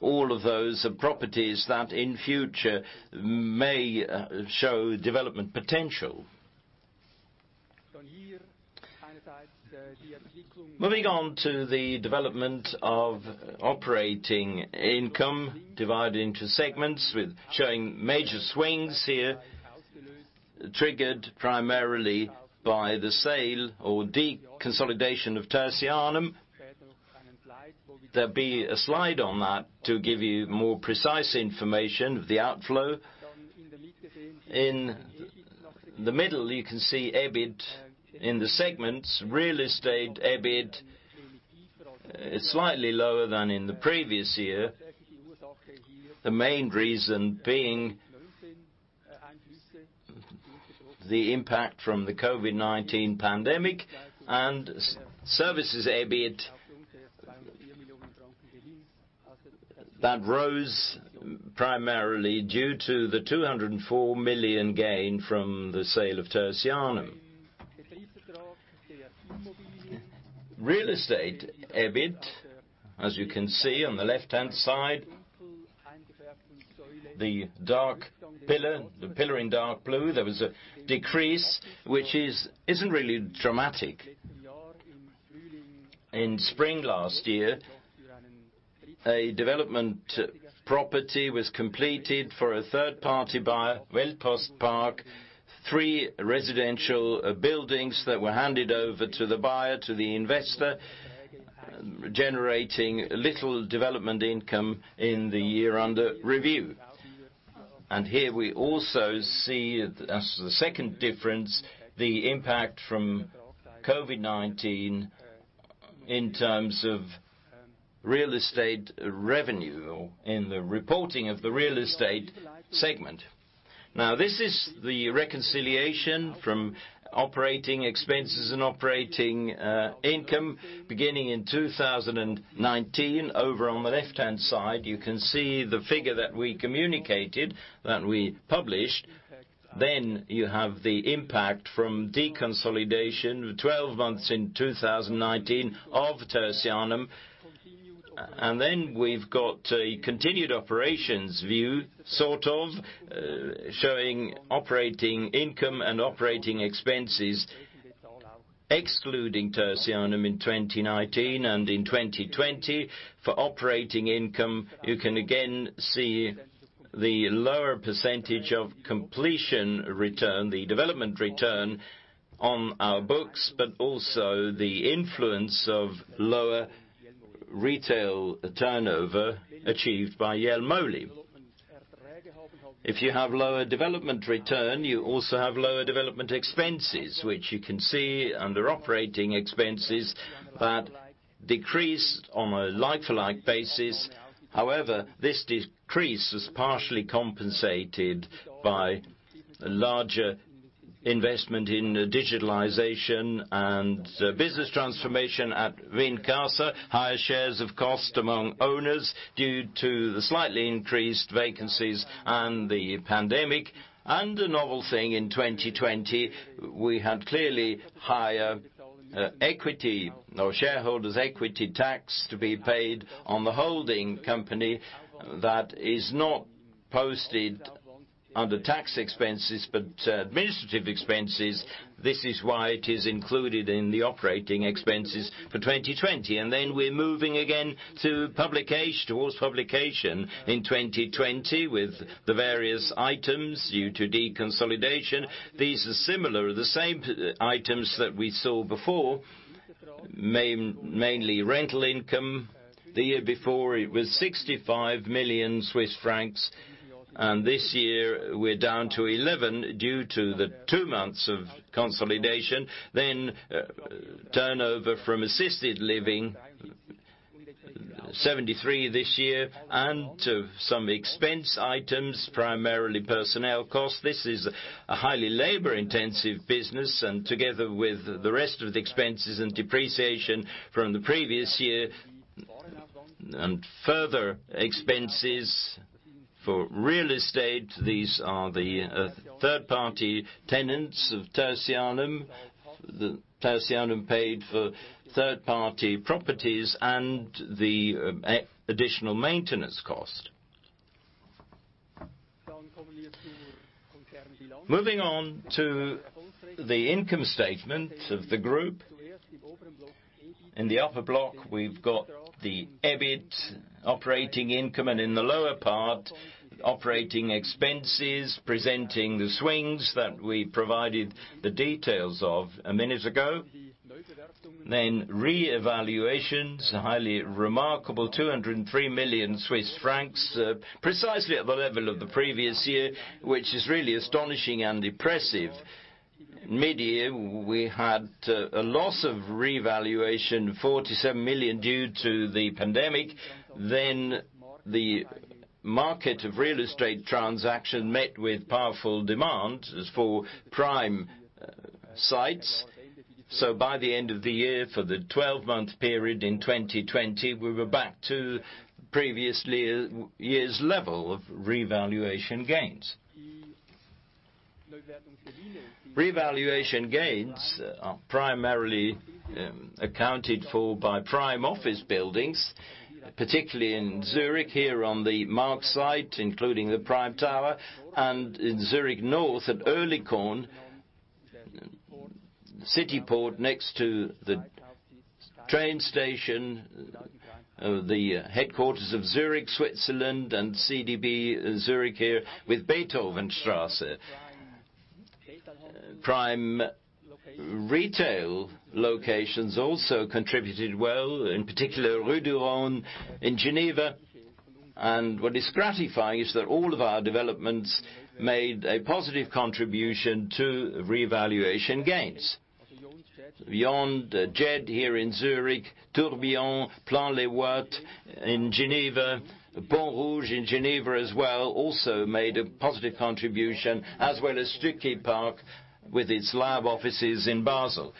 All of those are properties that in future may show development potential. Moving on to the development of operating income, divided into segments. Showing major swings here, triggered primarily by the sale or deconsolidation of Tertianum. There'll be a slide on that to give you more precise information of the outflow. In the middle, you can see EBIT in the segments. Real estate EBIT is slightly lower than in the previous year. The main reason being the impact from the COVID-19 pandemic. Services EBIT, that rose primarily due to the 204 million gain from the sale of Tertianum. Real estate EBIT, as you can see on the left-hand side, the pillar in dark blue, there was a decrease, which isn't really dramatic. In spring last year, a development property was completed for a third party buyer, Weltpostpark. Three residential buildings that were handed over to the buyer, to the investor, generating little development income in the year under review. Here we also see, as the second difference, the impact from COVID-19 in terms of real estate revenue, or in the reporting of the real estate segment. This is the reconciliation from operating expenses and operating income beginning in 2019. Over on the left-hand side, you can see the figure that we communicated, that we published. You have the impact from deconsolidation, 12 months in 2019, of Tertianum. Then we've got a continued operations view, sort of, showing operating income and operating expenses, excluding Tertianum in 2019 and in 2020. For operating income, you can again see the lower percentage of completion return, the development return on our books, but also the influence of lower retail turnover achieved by Jelmoli. If you have lower development return, you also have lower development expenses, which you can see under operating expenses that decreased on a like-for-like basis. However, this decrease was partially compensated by larger investment in digitalization and business transformation at Wincasa. Higher shares of cost among owners due to the slightly increased vacancies and the pandemic. A novel thing in 2020, we had clearly higher equity. Now, shareholders' equity tax to be paid on the holding company that is not posted under tax expenses but administrative expenses. This is why it is included in the operating expenses for 2020. We're moving again towards publication in 2020 with the various items due to deconsolidation. These are the same items that we saw before. Mainly rental income. The year before, it was 65 million Swiss francs, and this year we're down to 11 due to the two months of consolidation. Turnover from assisted living, 73 this year, and to some expense items, primarily personnel costs. This is a highly labor-intensive business, and together with the rest of the expenses and depreciation from the previous year and further expenses for real estate. These are the third-party tenants of Tertianum. Tertianum paid for third-party properties and the additional maintenance cost. Moving on to the income statement of the group. In the upper block, we've got the EBIT operating income, and in the lower part, operating expenses, presenting the swings that we provided the details of a minute ago. Re-evaluations, highly remarkable, 203 million Swiss francs, precisely at the level of the previous year, which is really astonishing and impressive. Mid-year, we had a loss of revaluation, 47 million due to the pandemic. The market of real estate transaction met with powerful demand as for prime sites. By the end of the year, for the 12-month period in 2020, we were back to previous year's level of revaluation gains. Revaluation gains are primarily accounted for by prime office buildings, particularly in Zurich here on the Maag site, including the Prime Tower, and in Zurich North at Oerlikon Cityport, next to the train station of the headquarters of Zurich, Switzerland, and CBD Zurich here with Beethovenstrasse. Prime retail locations also contributed well, in particular Rue du Rhône in Geneva. What is gratifying is that all of our developments made a positive contribution to revaluation gains. Beyond JED here in Zurich, Tourbillon, Plan-les-Ouates in Geneva, Pont Rouge in Geneva as well also made a positive contribution, as well as Stucki Park with its lab offices in Basel.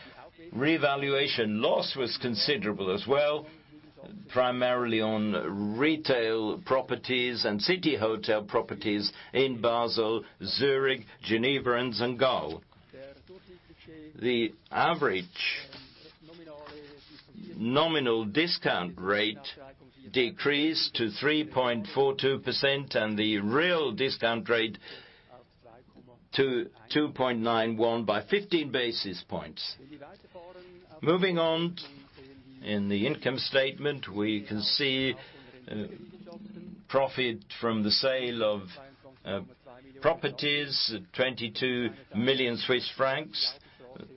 Revaluation loss was considerable as well, primarily on retail properties and city hotel properties in Basel, Zurich, Geneva, and St. Gallen. The average nominal discount rate decreased to 3.42%, and the real discount rate to 2.91% by 15 basis points. Moving on in the income statement, we can see profit from the sale of properties, CHF 22 million.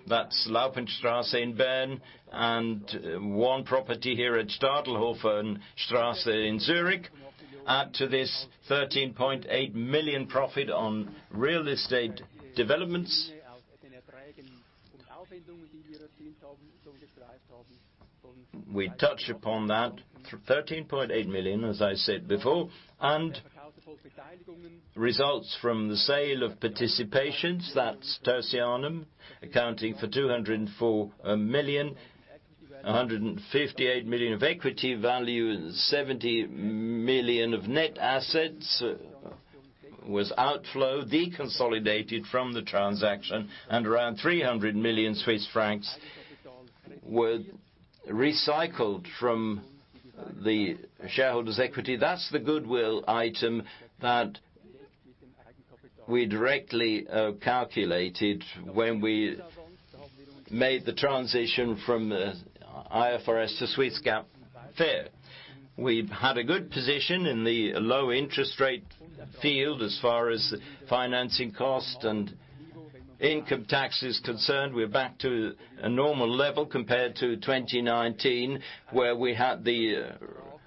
That's Laupenstrasse in Bern and one property here at Stadelhoferstrasse in Zurich. Add to this 13.8 million profit on real estate developments. We touch upon that. 13.8 million, as I said before. Results from the sale of participations, that's Tertianum accounting for 204 million, 158 million of equity value, and 70 million of net assets was outflow deconsolidated from the transaction, and around 300 million Swiss francs were recycled from the shareholders' equity. That's the goodwill item that we directly calculated when we made the transition from IFRS to Swiss GAAP FER. We've had a good position in the low interest rate field as far as financing cost and income tax is concerned. We're back to a normal level compared to 2019, where we had the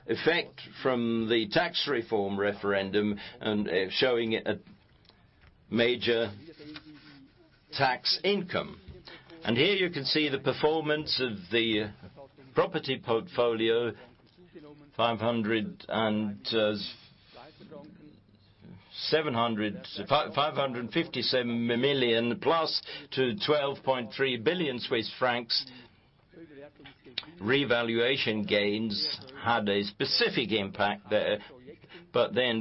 effect from the tax reform referendum and showing a major tax income. Here you can see the performance of the property portfolio, 557 million plus to 12.3 billion Swiss francs. Revaluation gains had a specific impact there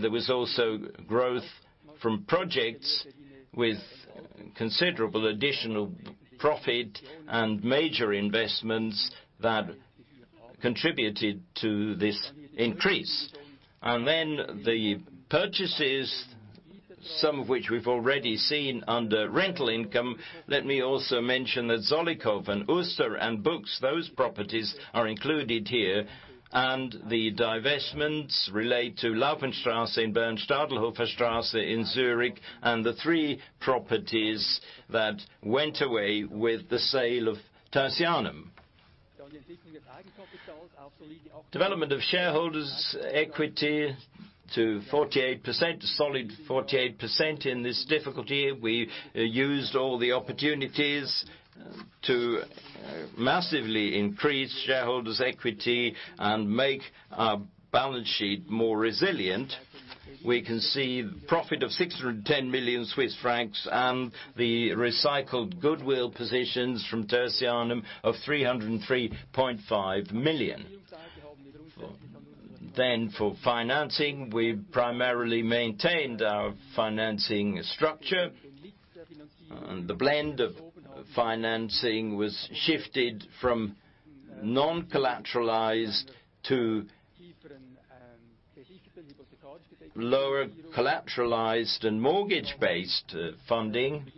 was also growth from projects with considerable additional profit and major investments that contributed to this increase. The purchases, some of which we've already seen under rental income. Let me also mention that Zollikofen, Uster, and Buchs, those properties are included here, the divestments relate to Laupenstrasse in Bern, Stadelhoferstrasse in Zurich, and the three properties that went away with the sale of Tertianum. Development of shareholders' equity to 48%, a solid 48% in this difficult year. We used all the opportunities to massively increase shareholders' equity and make our balance sheet more resilient. We can see profit of 610 million Swiss francs and the recycled goodwill positions from Tertianum of 303.5 million. For financing, we primarily maintained our financing structure. The blend of financing was shifted from non-collateralized to lower collateralized and mortgage-based funding.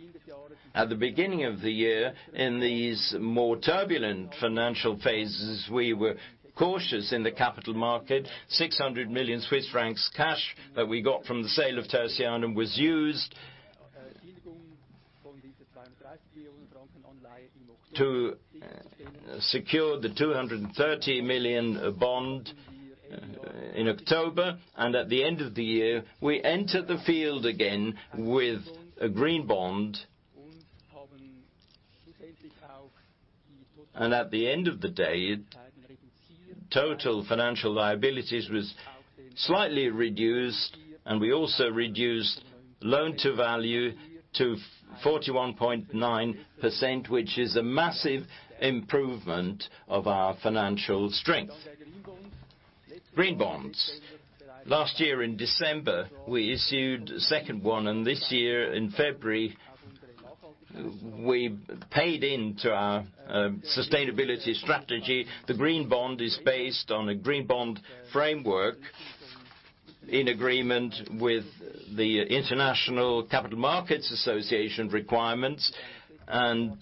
At the beginning of the year, in these more turbulent financial phases, we were cautious in the capital market. 600 million Swiss francs cash that we got from the sale of Tertianum was used to secure the 230 million bond in October. At the end of the year, we entered the field again with a green bond. At the end of the day, total financial liabilities was slightly reduced, and we also reduced loan to value to 41.9%, which is a massive improvement of our financial strength. Green bonds. Last year in December, we issued a second one, and this year in February, we paid into our sustainability strategy. The green bond is based on a green bond framework in agreement with the International Capital Market Association requirements and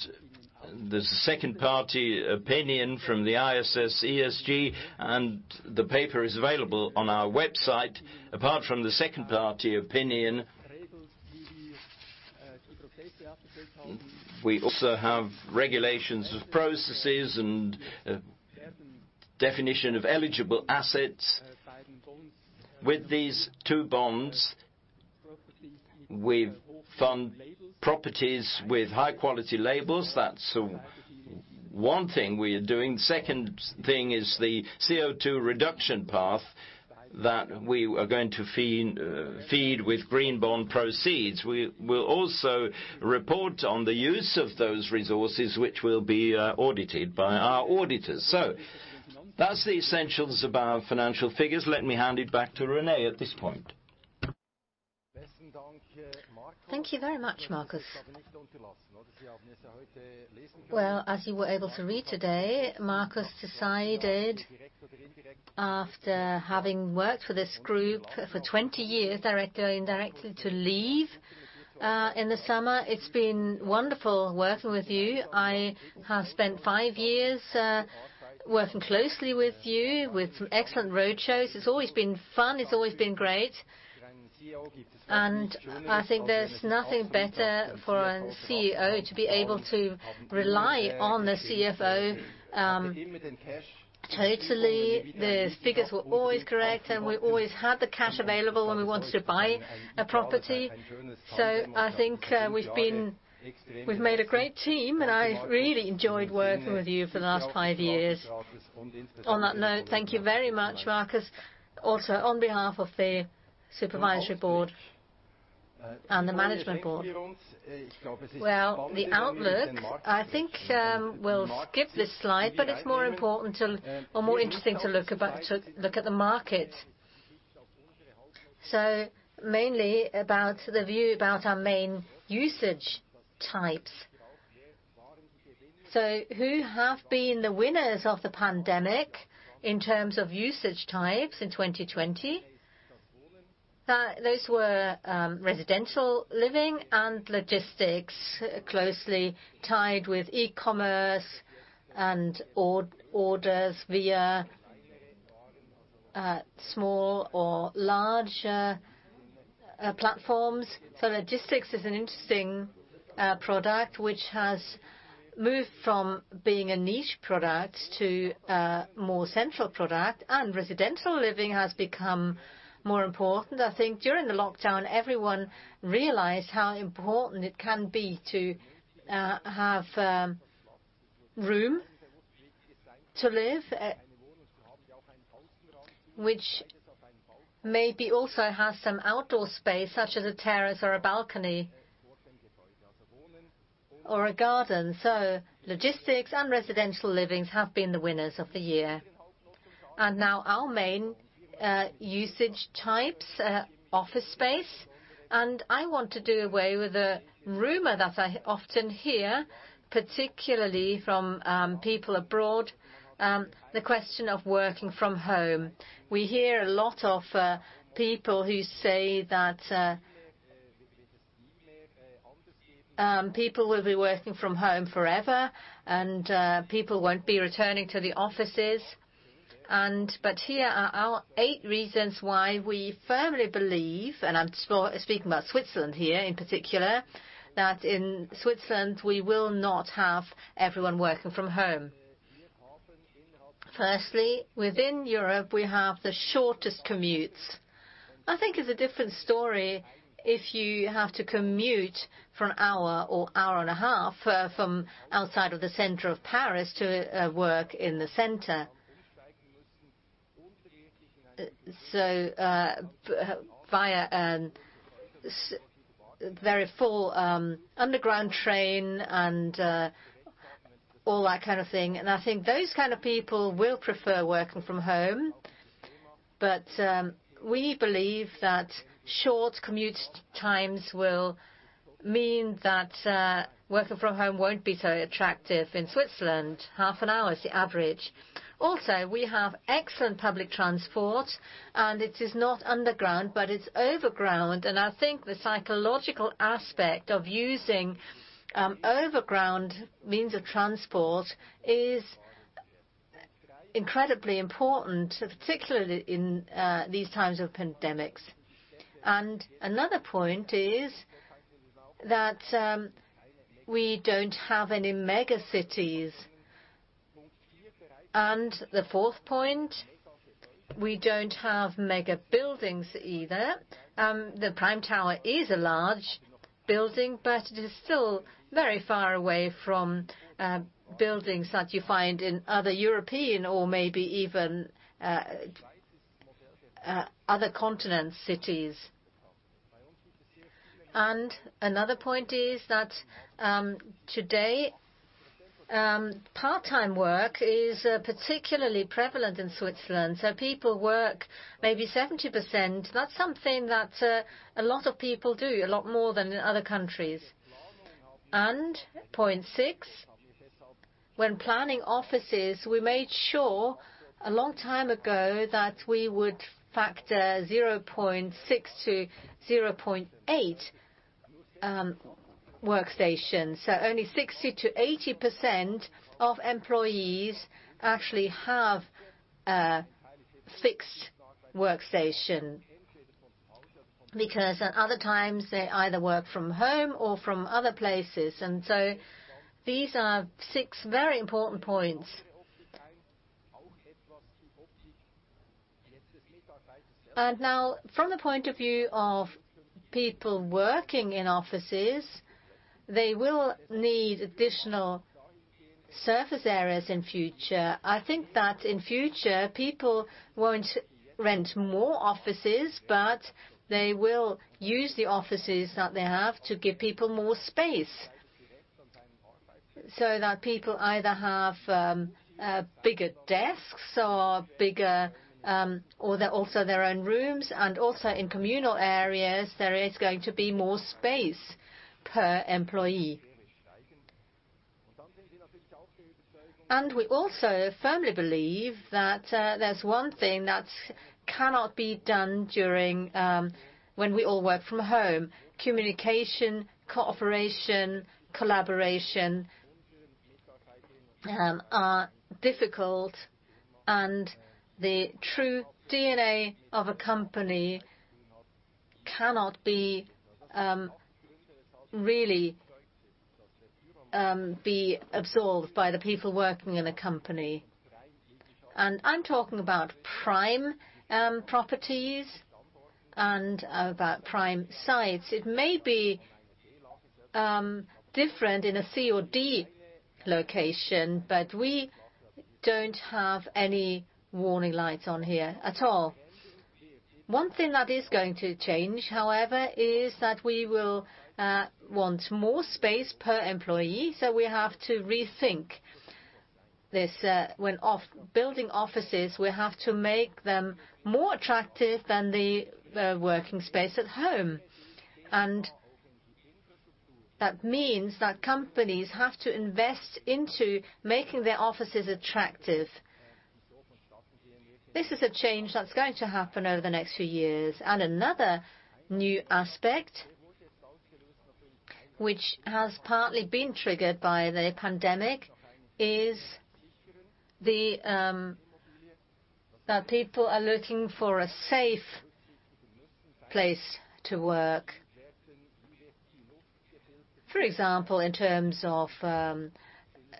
the second-party opinion from the ISS ESG, the paper is available on our website. Apart from the second-party opinion, we also have regulations of processes and definition of eligible assets. With these two bonds, we've found properties with high-quality labels. That's one thing we are doing. Second thing is the CO2 reduction path that we are going to feed with green bond proceeds. We will also report on the use of those resources, which will be audited by our auditors. That's the essentials of our financial figures. Let me hand it back to René at this point. Thank you very much, Markus. Well, as you were able to read today, Markus decided, after having worked for this group for 20 years, directly or indirectly, to leave in the summer. It's been wonderful working with you. I have spent five years working closely with you with some excellent road shows. It's always been fun. It's always been great. I think there's nothing better for a CEO to be able to rely on the CFO. Totally, the figures were always correct, and we always had the cash available when we wanted to buy a property. I think we've made a great team, and I really enjoyed working with you for the last five years. On that note, thank you very much, Markus, also on behalf of the Supervisory Board and the Management Board. Well, the outlook, I think we'll skip this slide. It's more important or more interesting to look at the market. Mainly about the view about our main usage types. Who have been the winners of the pandemic in terms of usage types in 2020? Those were residential living and logistics, closely tied with e-commerce and orders via small or large platforms. Logistics is an interesting product which has moved from being a niche product to a more central product, and residential living has become more important. I think during the lockdown, everyone realized how important it can be to have room to live, which maybe also has some outdoor space, such as a terrace or a balcony or a garden. Logistics and residential livings have been the winners of the year. Now our main usage types, office space. I want to do away with a rumor that I often hear, particularly from people abroad, the question of working from home. We hear a lot of people who say that people will be working from home forever and people won't be returning to the offices. Here are our eight reasons why we firmly believe, and I'm speaking about Switzerland here in particular, that in Switzerland, we will not have everyone working from home. Firstly, within Europe, we have the shortest commutes. I think it's a different story if you have to commute for an hour or hour and a half from outside of the center of Paris to work in the center. Via very full underground train and all that kind of thing. I think those kind of people will prefer working from home. We believe that short commute times will mean that working from home won't be so attractive in Switzerland. Half an hour is the average. Also, we have excellent public transport, and it is not underground, but it's overground. I think the psychological aspect of using overground means of transport is incredibly important, particularly in these times of pandemics. Another point is that we don't have any mega cities. The fourth point, we don't have mega buildings either. The Prime Tower is a large building, but it is still very far away from buildings that you find in other European or maybe even other continent cities. Another point is that today, part-time work is particularly prevalent in Switzerland. People work maybe 70%. That's something that a lot of people do, a lot more than in other countries. Point 6, when planning offices, we made sure a long time ago that we would factor 0.6-0.8 workstations. Only 60%-80% of employees actually have a fixed workstation, because at other times, they either work from home or from other places. These are six very important points. From the point of view of people working in offices, they will need additional surface areas in future. I think that in future, people won't rent more offices, but they will use the offices that they have to give people more space. That people either have bigger desks or also their own rooms, and also in communal areas, there is going to be more space per employee. We also firmly believe that there's one thing that cannot be done during when we all work from home. Communication, cooperation, collaboration are difficult, and the true DNA of a company cannot really be absorbed by the people working in a company. I'm talking about prime properties and about prime sites. It may be different in a C or D location, but we don't have any warning lights on here at all. One thing that is going to change, however, is that we will want more space per employee, so we have to rethink this. When building offices, we have to make them more attractive than the working space at home. That means that companies have to invest into making their offices attractive. This is a change that's going to happen over the next few years. Another new aspect, which has partly been triggered by the pandemic, is that people are looking for a safe place to work. For example, in terms of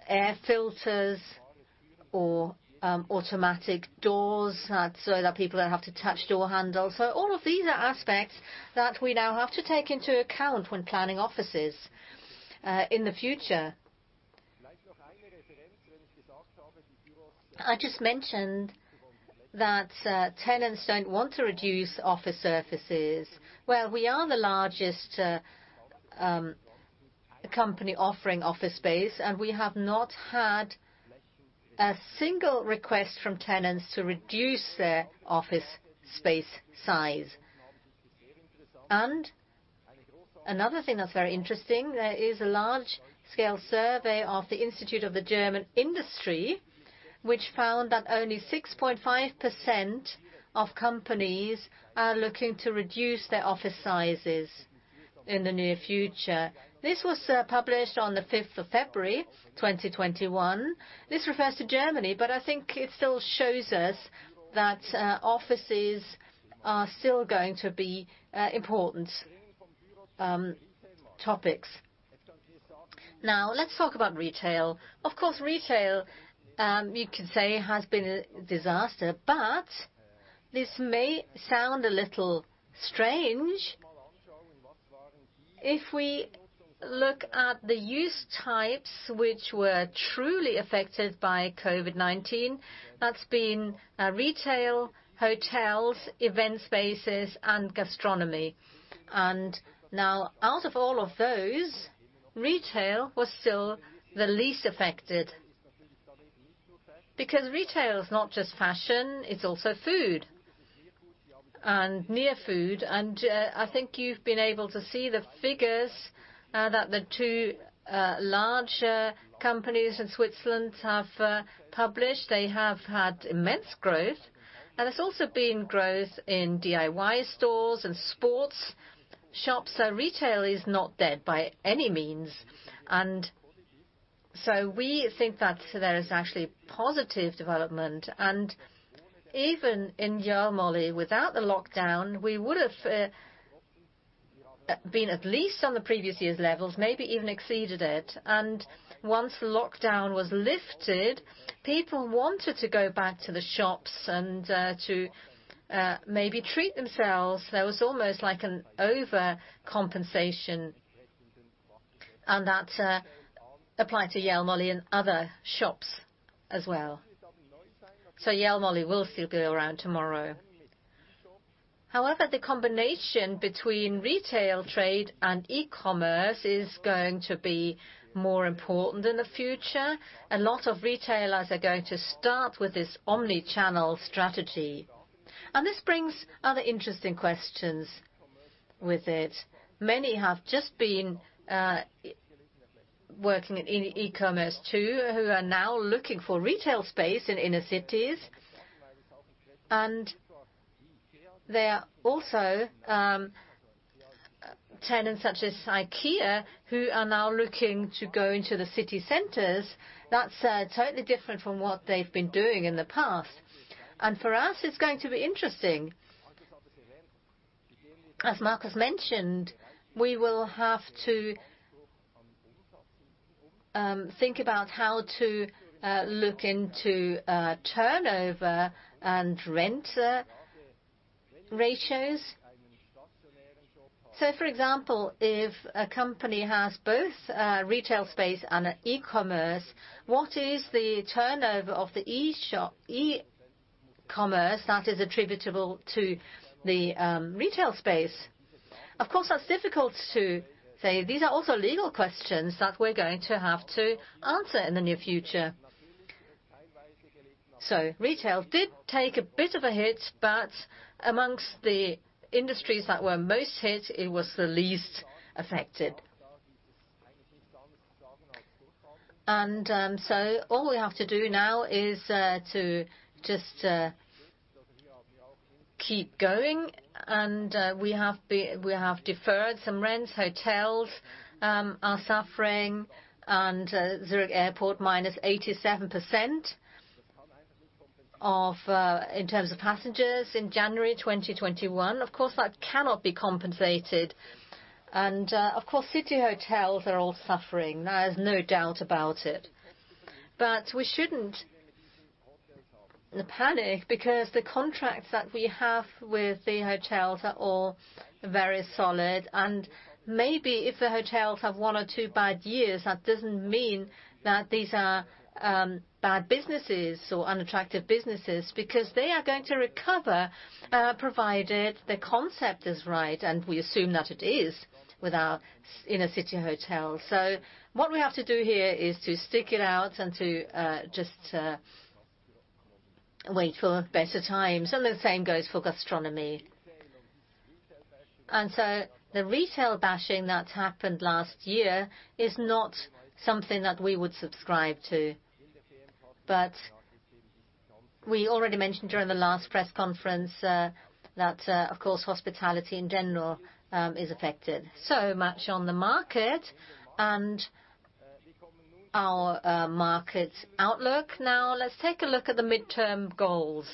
air filters or automatic doors, so that people don't have to touch door handles. All of these are aspects that we now have to take into account when planning offices in the future. I just mentioned that tenants don't want to reduce office surfaces. Well, we are the largest company offering office space, and we have not had a single request from tenants to reduce their office space size. Another thing that's very interesting, there is a large scale survey of the Institute of the German Industry, which found that only 6.5% of companies are looking to reduce their office sizes in the near future. This was published on the 5th of February 2021. This refers to Germany, but I think it still shows us that offices are still going to be important topics. Now, let's talk about retail. Of course, retail, you could say, has been a disaster, but this may sound a little strange. If we look at the use types, which were truly affected by COVID-19, that's been retail, hotels, event spaces, and gastronomy. Now out of all of those, retail was still the least affected. Because retail is not just fashion, it's also food and near food. I think you've been able to see the figures that the two large companies in Switzerland have published. They have had immense growth, and there's also been growth in DIY stores and sports shops. Retail is not dead by any means. We think that there is actually a positive development. Even in Jelmoli, without the lockdown, we would have been at least on the previous year's levels, maybe even exceeded it. Once the lockdown was lifted, people wanted to go back to the shops and to maybe treat themselves. There was almost like an overcompensation. That applied to Jelmoli and other shops as well. Jelmoli will still be around tomorrow. However, the combination between retail trade and e-commerce is going to be more important in the future. A lot of retailers are going to start with this omnichannel strategy. This brings other interesting questions with it. Many have just been working in e-commerce, too, who are now looking for retail space in inner cities. There are also tenants such as IKEA, who are now looking to go into the city centers. That's totally different from what they've been doing in the past. For us, it's going to be interesting. As Markus mentioned, we will have to think about how to look into turnover and rent ratios. For example, if a company has both retail space and e-commerce, what is the turnover of the e-commerce that is attributable to the retail space? Of course, that's difficult to say. These are also legal questions that we're going to have to answer in the near future. Retail did take a bit of a hit, but amongst the industries that were most hit, it was the least affected. All we have to do now is to just keep going, and we have deferred some rents. Hotels are suffering, and Zurich Airport, -87% in terms of passengers in January 2021. Of course, that cannot be compensated. Of course, city hotels are all suffering. There's no doubt about it. We shouldn't panic because the contracts that we have with the hotels are all very solid. Maybe if the hotels have one or two bad years, that doesn't mean that these are bad businesses or unattractive businesses because they are going to recover, provided the concept is right, and we assume that it is with our inner-city hotel. What we have to do here is to stick it out and to just wait for better times. The same goes for gastronomy. The retail bashing that happened last year is not something that we would subscribe to. We already mentioned during the last press conference that, of course, hospitality in general is affected. Much on the market and our market outlook. Let's take a look at the midterm goals.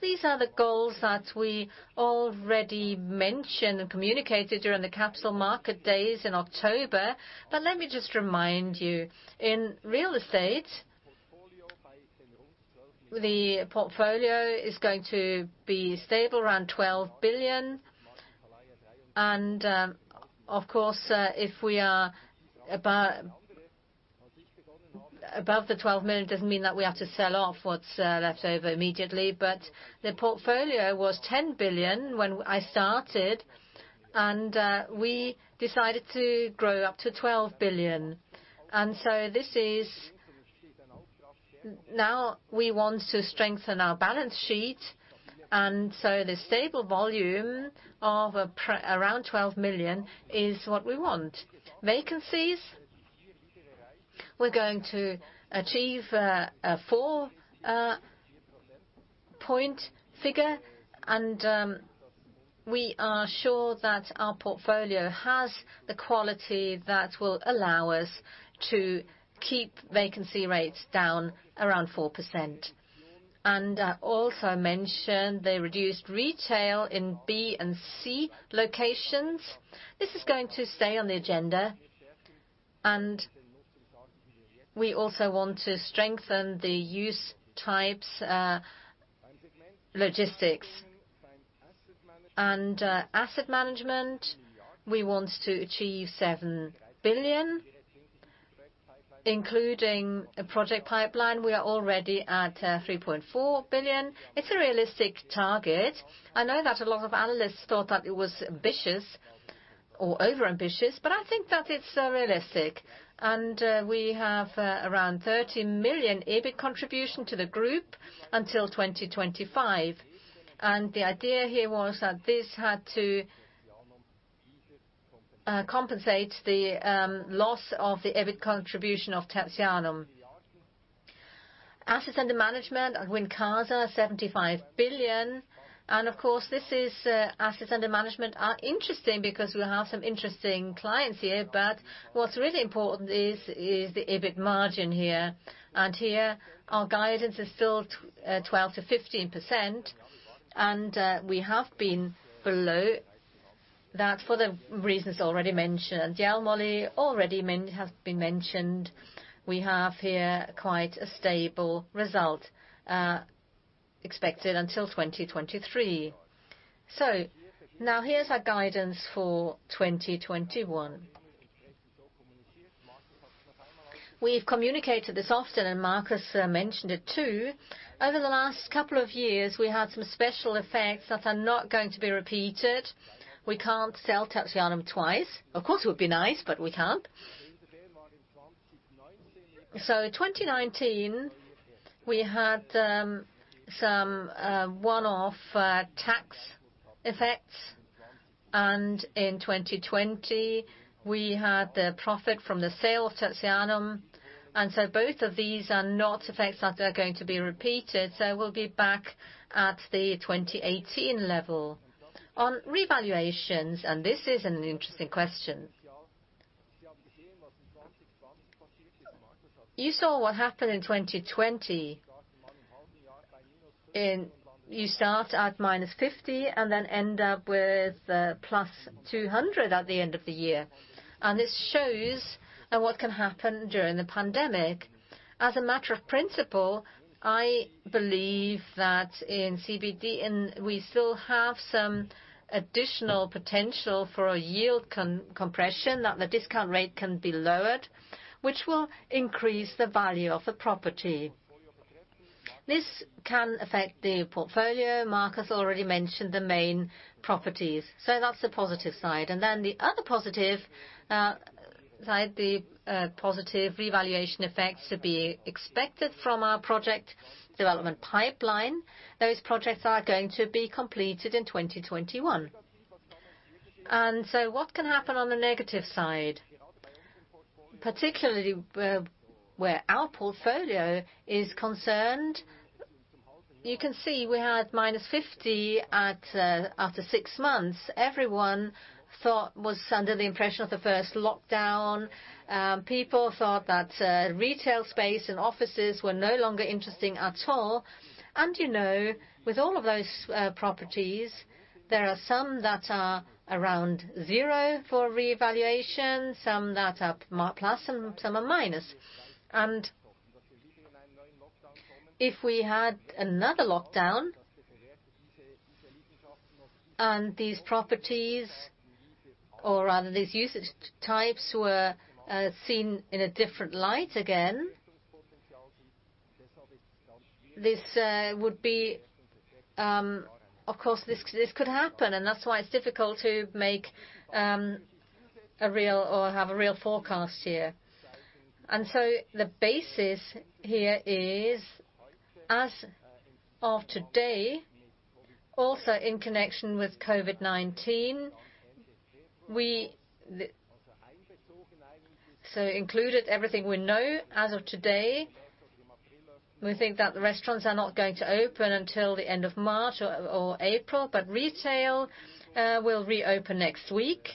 These are the goals that we already mentioned and communicated during the capital market days in October. Let me just remind you. In real estate, the portfolio is going to be stable around 12 billion. If we are above the 12 billion, it doesn't mean that we have to sell off what's left over immediately. The portfolio was 10 billion when I started, and we decided to grow up to 12 billion. Now we want to strengthen our balance sheet, the stable volume of around 12 million is what we want. Vacancies. We're going to achieve a four-point figure, and we are sure that our portfolio has the quality that will allow us to keep vacancy rates down around 4%. I also mentioned the reduced retail in B and C locations. This is going to stay on the agenda. We also want to strengthen the use types logistics. Asset management, we want to achieve 7 billion. Including a project pipeline, we are already at 3.4 billion. It's a realistic target. I know that a lot of analysts thought that it was ambitious or overambitious, but I think that it's realistic. We have around 30 million EBIT contribution to the group until 2025. The idea here was that this had to compensate the loss of the EBIT contribution of Tertianum. Assets under management at Wincasa, 75 billion. Of course, assets under management are interesting because we have some interesting clients here. What's really important is the EBIT margin here. Here, our guidance is still 12%-15%, and we have been below that for the reasons already mentioned. Jelmoli already has been mentioned. We have here quite a stable result expected until 2023. Now here's our guidance for 2021. We've communicated this often, Markus mentioned it too. Over the last couple of years, we had some special effects that are not going to be repeated. We can't sell Tertianum twice. Of course, it would be nice, we can't. In 2019, we had some one-off tax effects, in 2020, we had the profit from the sale of Tertianum. Both of these are not effects that are going to be repeated. We'll be back at the 2018 level. On revaluations, this is an interesting question. You saw what happened in 2020, you start at -50 end up with +200 at the end of the year. This shows what can happen during the pandemic. As a matter of principle, I believe that in CBD, we still have some additional potential for a yield compression, that the discount rate can be lowered, which will increase the value of the property. This can affect the portfolio. Markus already mentioned the main properties. That's the positive side. The other positive side, the positive revaluation effects to be expected from our project development pipeline. Those projects are going to be completed in 2021. What can happen on the negative side, particularly where our portfolio is concerned? You can see we had -50 after six months. Everyone was under the impression of the first lockdown. People thought that retail space and offices were no longer interesting at all. With all of those properties, there are some that are around zero for reevaluation, some that are plus, and some are minus. If we had another lockdown, and these properties, or rather these usage types, were seen in a different light, again, of course, this could happen. That's why it is difficult to have a real forecast here. The basis here is as of today, also in connection with COVID-19. Included everything we know as of today, we think that the restaurants are not going to open until the end of March or April, but retail will reopen next week.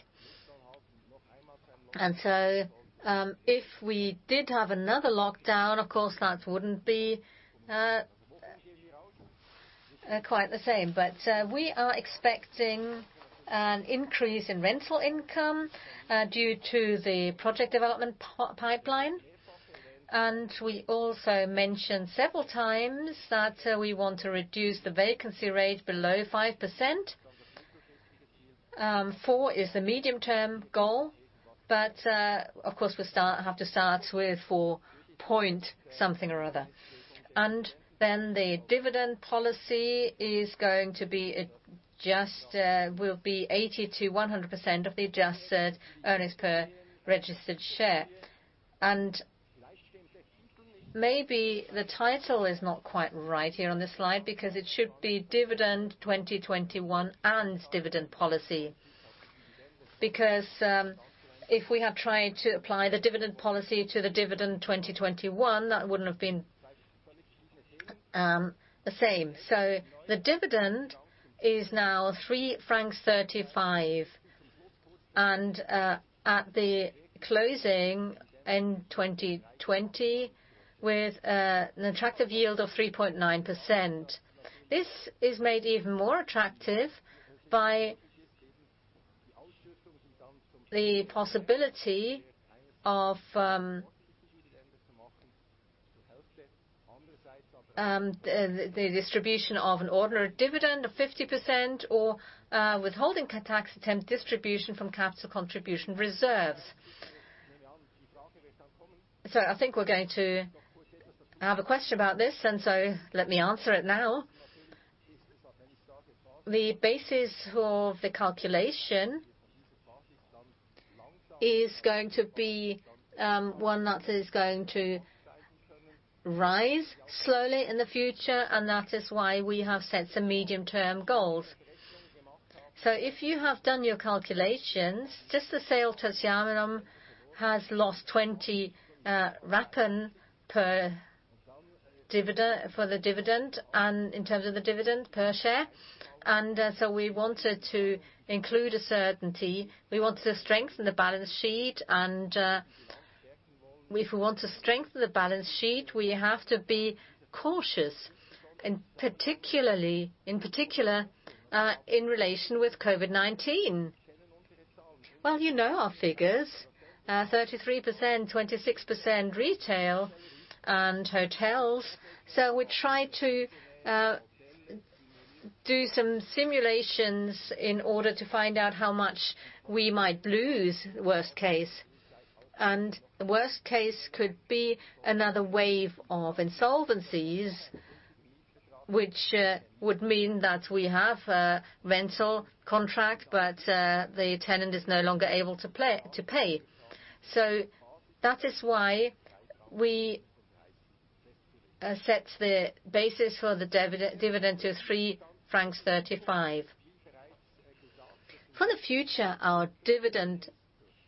If we did have another lockdown, of course, that wouldn't be quite the same. We are expecting an increase in rental income due to the project development pipeline. We also mentioned several times that we want to reduce the vacancy rate below 5%. Four is the medium-term goal, but, of course, we have to start with 4 point something or other. The dividend policy will be 80% to 100% of the adjusted earnings per registered share. Maybe the title is not quite right here on this slide because it should be Dividend 2021 and Dividend Policy. If we had tried to apply the dividend policy to the dividend 2021, that wouldn't have been the same. The dividend is now 3.35 francs. At the closing in 2020, with an attractive yield of 3.9%. This is made even more attractive by the possibility of the distribution of an ordinary dividend of 50% or withholding tax-exempt distribution from capital contribution reserves. I think we're going to have a question about this, and so let me answer it now. The basis for the calculation is going to be one that is going to rise slowly in the future, and that is why we have set some medium-term goals. If you have done your calculations, just the sale Tertianum has lost 0.20 for the dividend, and in terms of the dividend per share. We wanted to include a certainty. We want to strengthen the balance sheet. If we want to strengthen the balance sheet, we have to be cautious, in particular, in relation with COVID-19. Well, you know our figures, 33%, 26% retail and hotels. We try to do some simulations in order to find out how much we might lose, worst case. Worst case could be another wave of insolvencies, which would mean that we have a rental contract, but the tenant is no longer able to pay. That is why we set the basis for the dividend to 3.35 francs. For the future, our dividend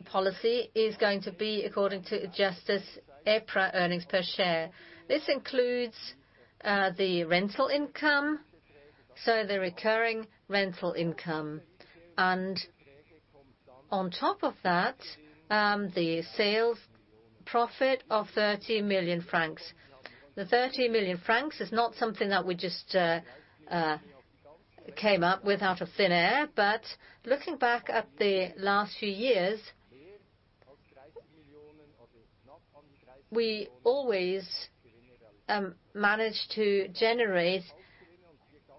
policy is going to be according to adjusted EPRA earnings per share. This includes the rental income, so the recurring rental income. On top of that, the sales profit of 30 million francs. The 30 million francs is not something that we just came up with out of thin air. Looking back at the last few years, we always managed to generate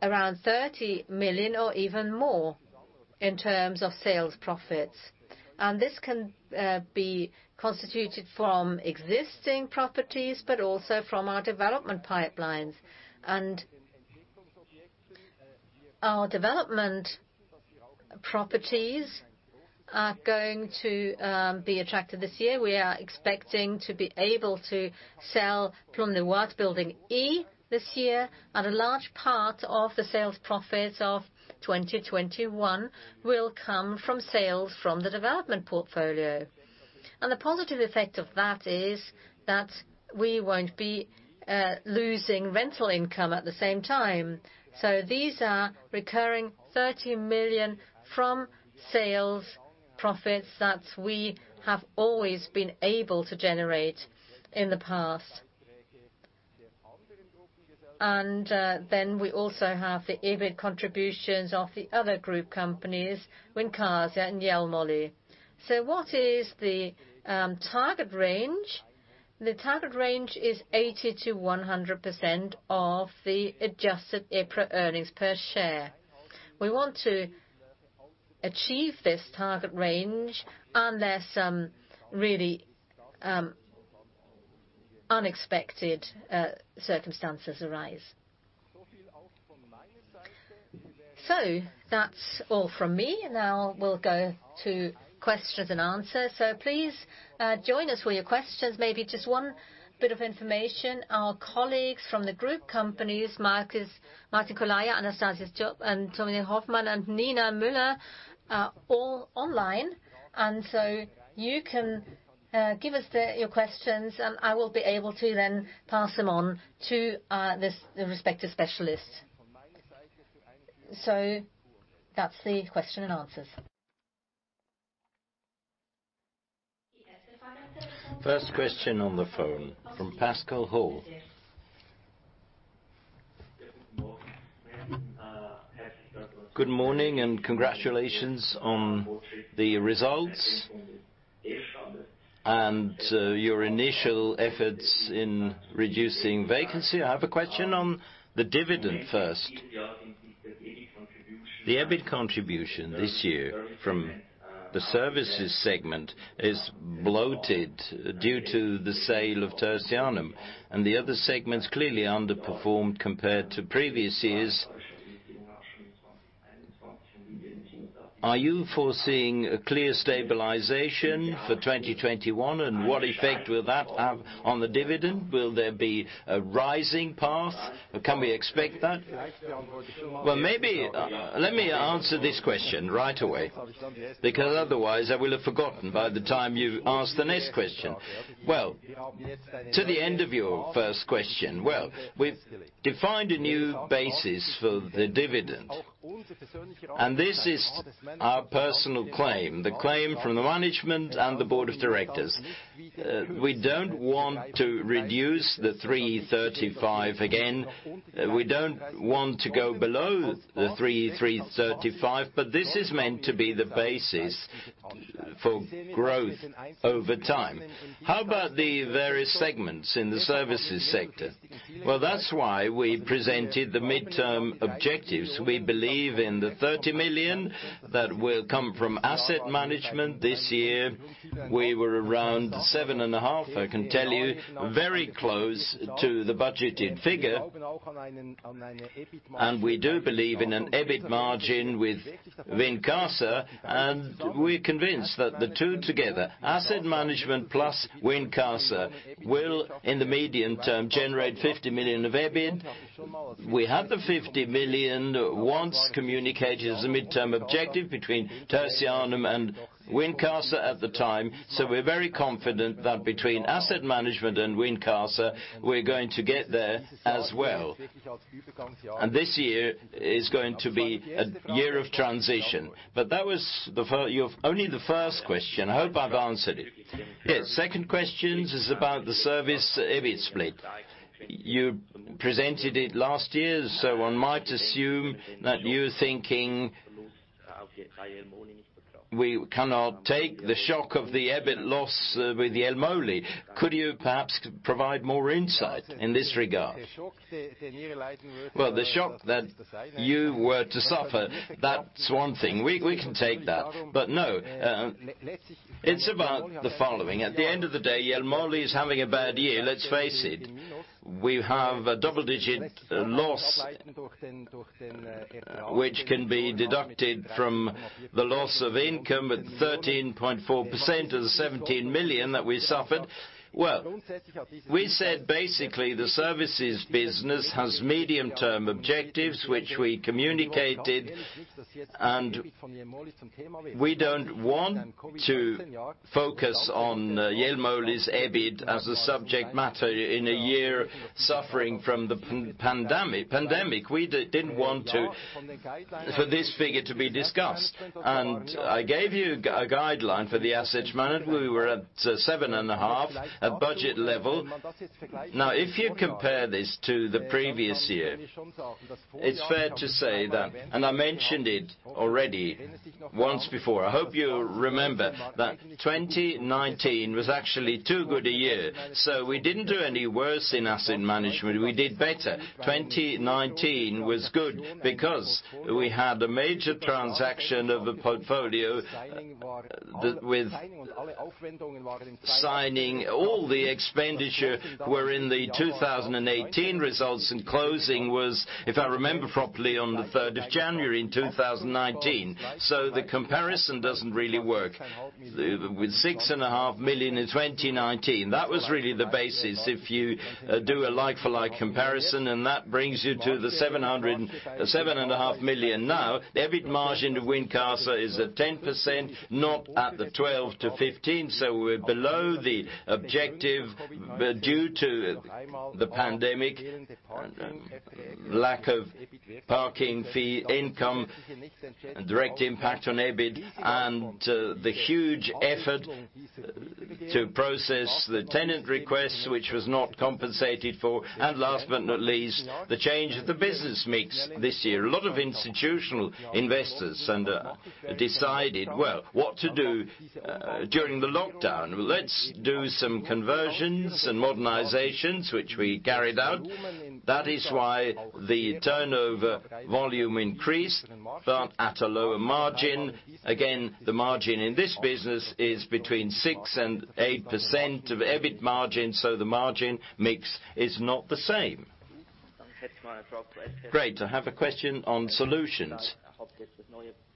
around 30 million or even more in terms of sales profits. This can be constituted from existing properties, but also from our development pipelines. Our development properties are going to be attractive this year. We are expecting to be able to sell Plan-les-Ouates Building E this year. A large part of the sales profits of 2021 will come from sales from the development portfolio. The positive effect of that is that we won't be losing rental income at the same time. These are recurring 30 million from sales profits that we have always been able to generate in the past. We also have the EBIT contributions of the other group companies, Wincasa and Jelmoli. What is the target range? The target range is 80%-100% of the adjusted EPRA earnings per share. We want to achieve this target range unless some really unexpected circumstances arise. That's all from me. Now we'll go to questions and answers. Please join us with your questions. Maybe just one bit of information. Our colleagues from the group companies, Martin Koller, Anastasius Tschopp, Dominik Hofmann, and Nina Müller are all online. You can give us your questions, and I will be able to then pass them on to the respective specialists. That's the question and answers. First question on the phone from Pascal Hauber. Good morning and congratulations on the results and your initial efforts in reducing vacancy. I have a question on the dividend first. The EBIT contribution this year from the services segment is bloated due to the sale of Tertianum, and the other segments clearly underperformed compared to previous years. Are you foreseeing a clear stabilization for 2021? What effect will that have on the dividend? Will there be a rising path? Can we expect that? Well, maybe let me answer this question right away, because otherwise I will have forgotten by the time you ask the next question. Well, to the end of your first question. We've defined a new basis for the dividend, and this is our personal claim, the claim from the management and the board of directors. We don't want to reduce the 335 again. We don't want to go below the 335. This is meant to be the basis for growth over time. How about the various segments in the services sector? Well, that's why we presented the midterm objectives. We believe in the 30 million that will come from asset management this year. We were around 7.5, I can tell you, very close to the budgeted figure. We do believe in an EBIT margin with Wincasa, and we're convinced that the two together, asset management plus Wincasa, will, in the medium term, generate 50 million of EBIT. We had the 50 million once communicated as a midterm objective between Tertianum and Wincasa at the time. We're very confident that between asset management and Wincasa, we're going to get there as well. This year is going to be a year of transition. That was only the first question. I hope I've answered it. Yes. Second question is about the service EBIT split. You presented it last year, one might assume that you're thinking we cannot take the shock of the EBIT loss with Jelmoli. Could you perhaps provide more insight in this regard? Well, the shock that you were to suffer, that's one thing. We can take that. No, it's about the following. At the end of the day, Jelmoli is having a bad year. Let's face it. We have a double-digit loss, which can be deducted from the loss of income at 13.4% of the 17 million that we suffered. Well, we said basically the services business has medium-term objectives, which we communicated, we don't want to focus on Jelmoli's EBIT as a subject matter in a year suffering from the pandemic. We didn't want for this figure to be discussed. I gave you a guideline for the asset management. We were at seven and a half, a budget level. If you compare this to the previous year, it's fair to say that, and I mentioned it already once before, I hope you remember that 2019 was actually too good a year. We didn't do any worse in asset management. We did better. 2019 was good because we had a major transaction of a portfolio with signing. All the expenditure were in the 2018 results, and closing was, if I remember properly, on the 3rd of January in 2019. The comparison doesn't really work. With six and a half million in 2019, that was really the basis if you do a like-for-like comparison, and that brings you to the seven and a half million now. The EBIT margin of Wincasa is at 10%, not at the 12%-15%. We're below the objective due to the pandemic, lack of parking fee income, direct impact on EBIT, and the huge effort to process the tenant requests, which was not compensated for. Last but not least, the change of the business mix this year. A lot of institutional investors decided, "Well, what to do during the lockdown? Let's do some conversions and modernizations," which we carried out. That is why the turnover volume increased, but at a lower margin. Again, the margin in this business is between 6%-8% of EBIT margin, so the margin mix is not the same. Great. I have a question on solutions.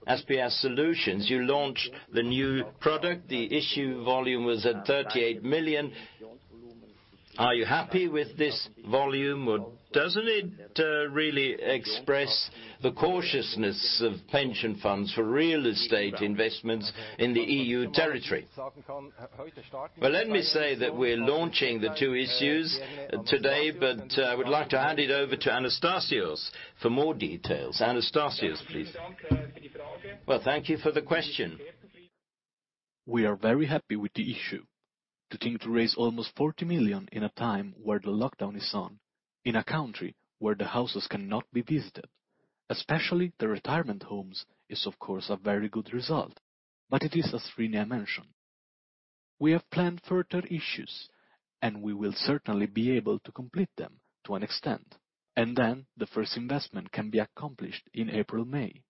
SPS Solutions. You launched the new product. The issue volume was at 38 million. Are you happy with this volume, or doesn't it really express the cautiousness of pension funds for real estate investments in the EU territory? Well, let me say that we're launching the two issues today, but I would like to hand it over to Anastasius for more details. Anastasius, please. Well, thank you for the question. We are very happy with the issue. To think to raise almost 40 million in a time where the lockdown is on, in a country where the houses cannot be visited. Especially the retirement homes is, of course, a very good result. It is as René mentioned. We have planned further issues, and we will certainly be able to complete them to an extent. Then the first investment can be accomplished in April, May.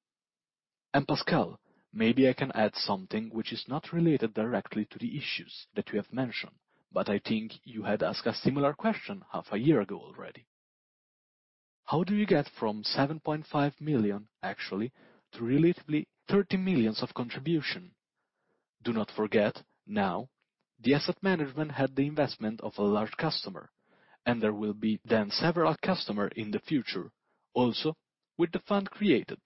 Pascal, maybe I can add something which is not related directly to the issues that you have mentioned, but I think you had asked a similar question half a year ago already. How do you get from 7.5 million actually to relatively 30 million of contribution? Do not forget, now, the asset management had the investment of a large customer, there will be then several customer in the future, also with the fund created.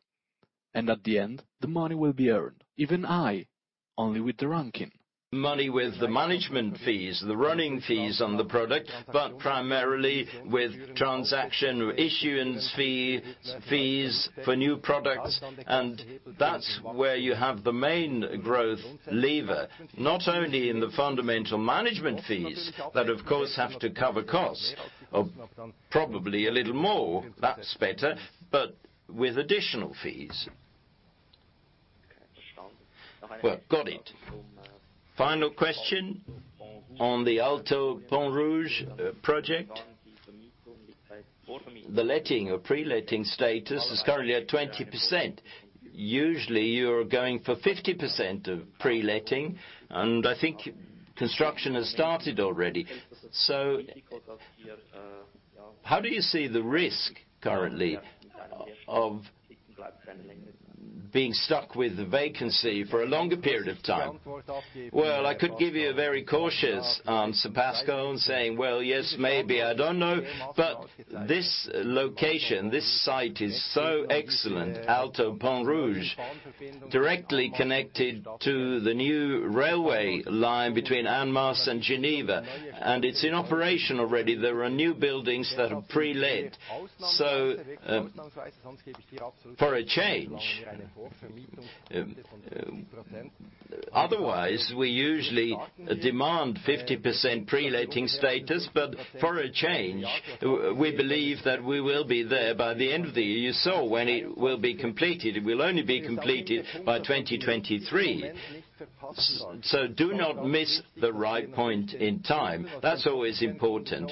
At the end, the money will be earned, even high, only with the ranking. Money with the management fees, the running fees on the product, but primarily with transaction issuance fees for new products, that's where you have the main growth lever, not only in the fundamental management fees, that of course, have to cover costs, of probably a little more. That's better, but with additional fees. Got it. Final question on the Alto Pont-Rouge project. The letting or pre-letting status is currently at 20%. Usually, you're going for 50% of pre-letting, I think construction has started already. How do you see the risk currently of being stuck with the vacancy for a longer period of time? Well, I could give you a very cautious answer, Pascal, saying, "Well, yes, maybe, I don't know." This location, this site is so excellent, Alto Pont-Rouge, directly connected to the new railway line between Annemasse and Geneva, and it's in operation already. There are new buildings that are pre-let. For a change, otherwise, we usually demand 50% pre-letting status, but for a change, we believe that we will be there by the end of the year. When it will be completed. It will only be completed by 2023. Do not miss the right point in time. That's always important.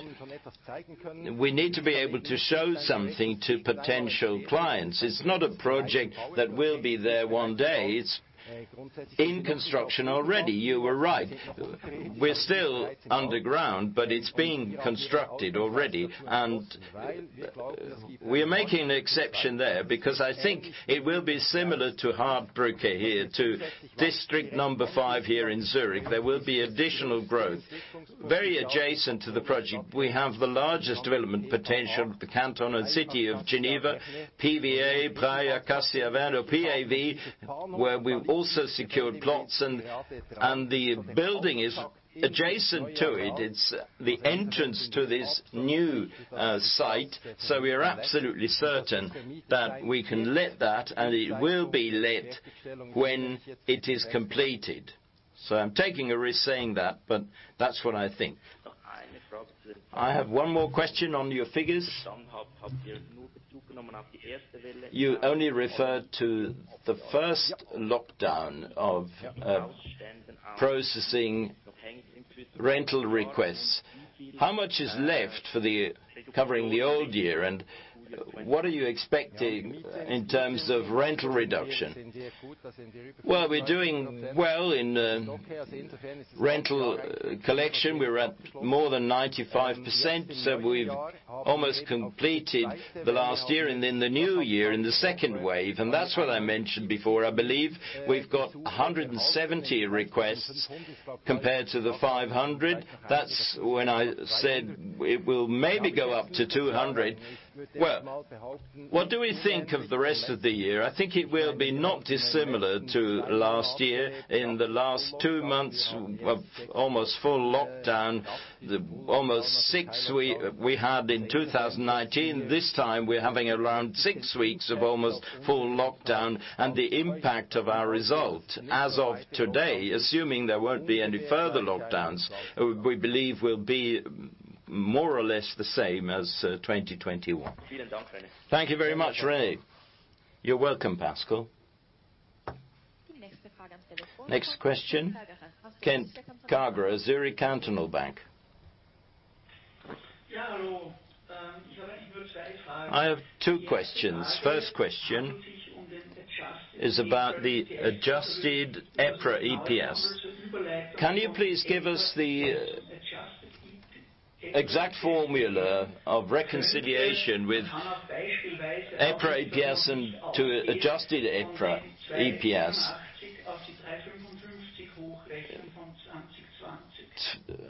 We need to be able to show something to potential clients. It's not a project that will be there one day. It's in construction already. You were right. We're still underground, but it's being constructed already. We are making an exception there because I think it will be similar to Hardbrücke here, to district 5 here in Zurich. There will be additional growth. Very adjacent to the project, we have the largest development potential, the canton and city of Geneva, PAV, Praille-Acacias-Vernets, PAV, where we've also secured plots, and the building is adjacent to it. It's the entrance to this new site. We are absolutely certain that we can let that, and it will be let when it is completed. I'm taking a risk saying that, but that's what I think. I have one more question on your figures. You only referred to the first lockdown of processing rental requests. How much is left covering the old year, and what are you expecting in terms of rental reduction? Well, we're doing well in rental collection. We're at more than 95%, so we've almost completed the last year and in the new year, in the second wave. That's what I mentioned before. I believe we've got 170 requests compared to the 500. That's when I said it will maybe go up to 200. Well, what do we think of the rest of the year? I think it will be not dissimilar to last year. In the last two months of almost full lockdown, the almost six we had in 2019, this time we're having around six weeks of almost full lockdown and the impact of our result. As of today, assuming there won't be any further lockdowns, we believe will be more or less the same as 2021. Thank you very much, René. You're welcome, Pascal. Next question. Ken Kagerer, Zurich Cantonal Bank. I have two questions. First question is about the adjusted EPRA EPS. Can you please give us the exact formula of reconciliation with EPRA EPS and to adjusted EPRA EPS?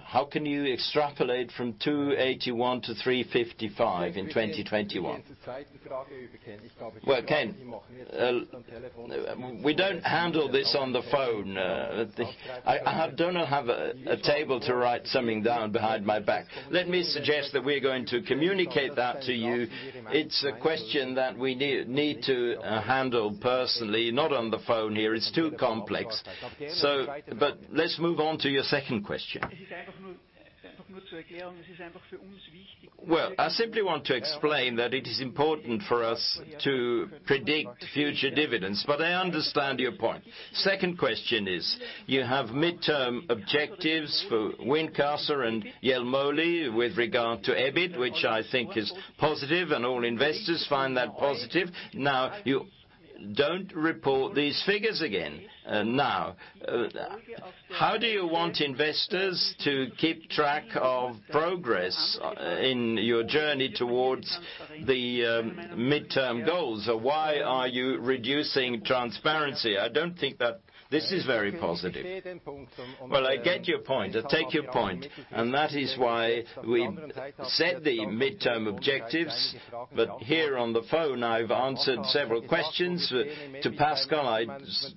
How can you extrapolate from 281 to 355 in 2021? Well, Ken, we don't handle this on the phone. I do not have a table to write something down behind my back. Let me suggest that we're going to communicate that to you. It's a question that we need to handle personally, not on the phone here. It's too complex. Let's move on to your second question. Well, I simply want to explain that it is important for us to predict future dividends, but I understand your point. Second question is, you have midterm objectives for Wincasa and Jelmoli with regard to EBIT, which I think is positive, and all investors find that positive. Now don't report these figures again. How do you want investors to keep track of progress in your journey towards the midterm goals? Why are you reducing transparency? I don't think that this is very positive. Well, I get your point. I take your point, and that is why we set the midterm objectives. Here on the phone, I've answered several questions. To Pascal, I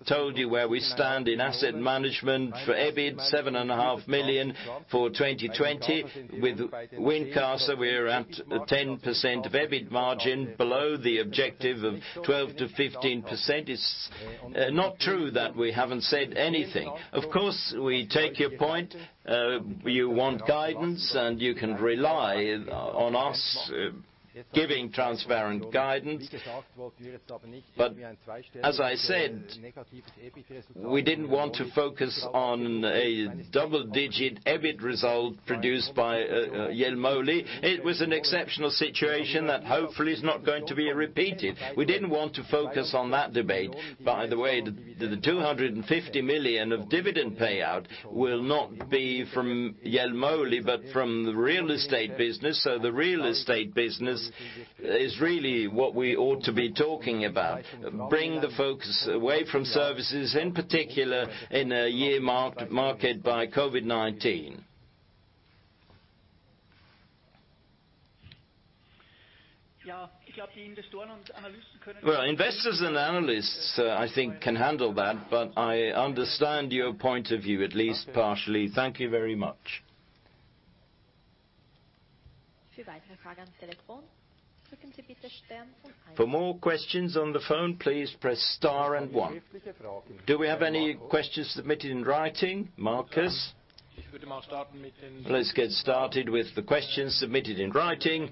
told you where we stand in asset management. For EBIT, 7.5 million for 2020. With Wincasa, we're at 10% of EBIT margin, below the objective of 12%-15%. It's not true that we haven't said anything. Of course, we take your point. You want guidance, and you can rely on us giving transparent guidance. As I said, we didn't want to focus on a double-digit EBIT result produced by Jelmoli. It was an exceptional situation that hopefully is not going to be repeated. We didn't want to focus on that debate. The 250 million of dividend payout will not be from Jelmoli, but from the real estate business. The real estate business is really what we ought to be talking about. Bring the focus away from services, in particular, in a year marked by COVID-19. Well, investors and analysts, I think, can handle that, but I understand your point of view at least partially. Thank you very much. For more questions on the phone, please press star and one. Do we have any questions submitted in writing, Markus? Let's get started with the questions submitted in writing.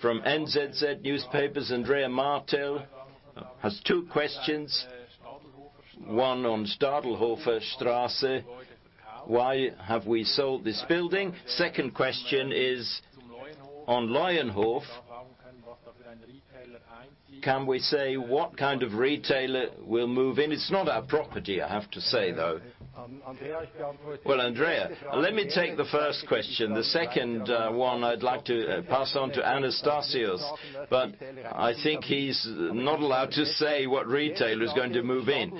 From NZZ Newspaper, Andrea Martel has two questions. One on Stadelhoferstrasse. Why have we sold this building? Second question is on Löwenhof. Can we say what kind of retailer will move in? It's not our property, I have to say, though. Well, Andrea, let me take the first question. The second one I'd like to pass on to Anastasius, I think he's not allowed to say what retailer is going to move in.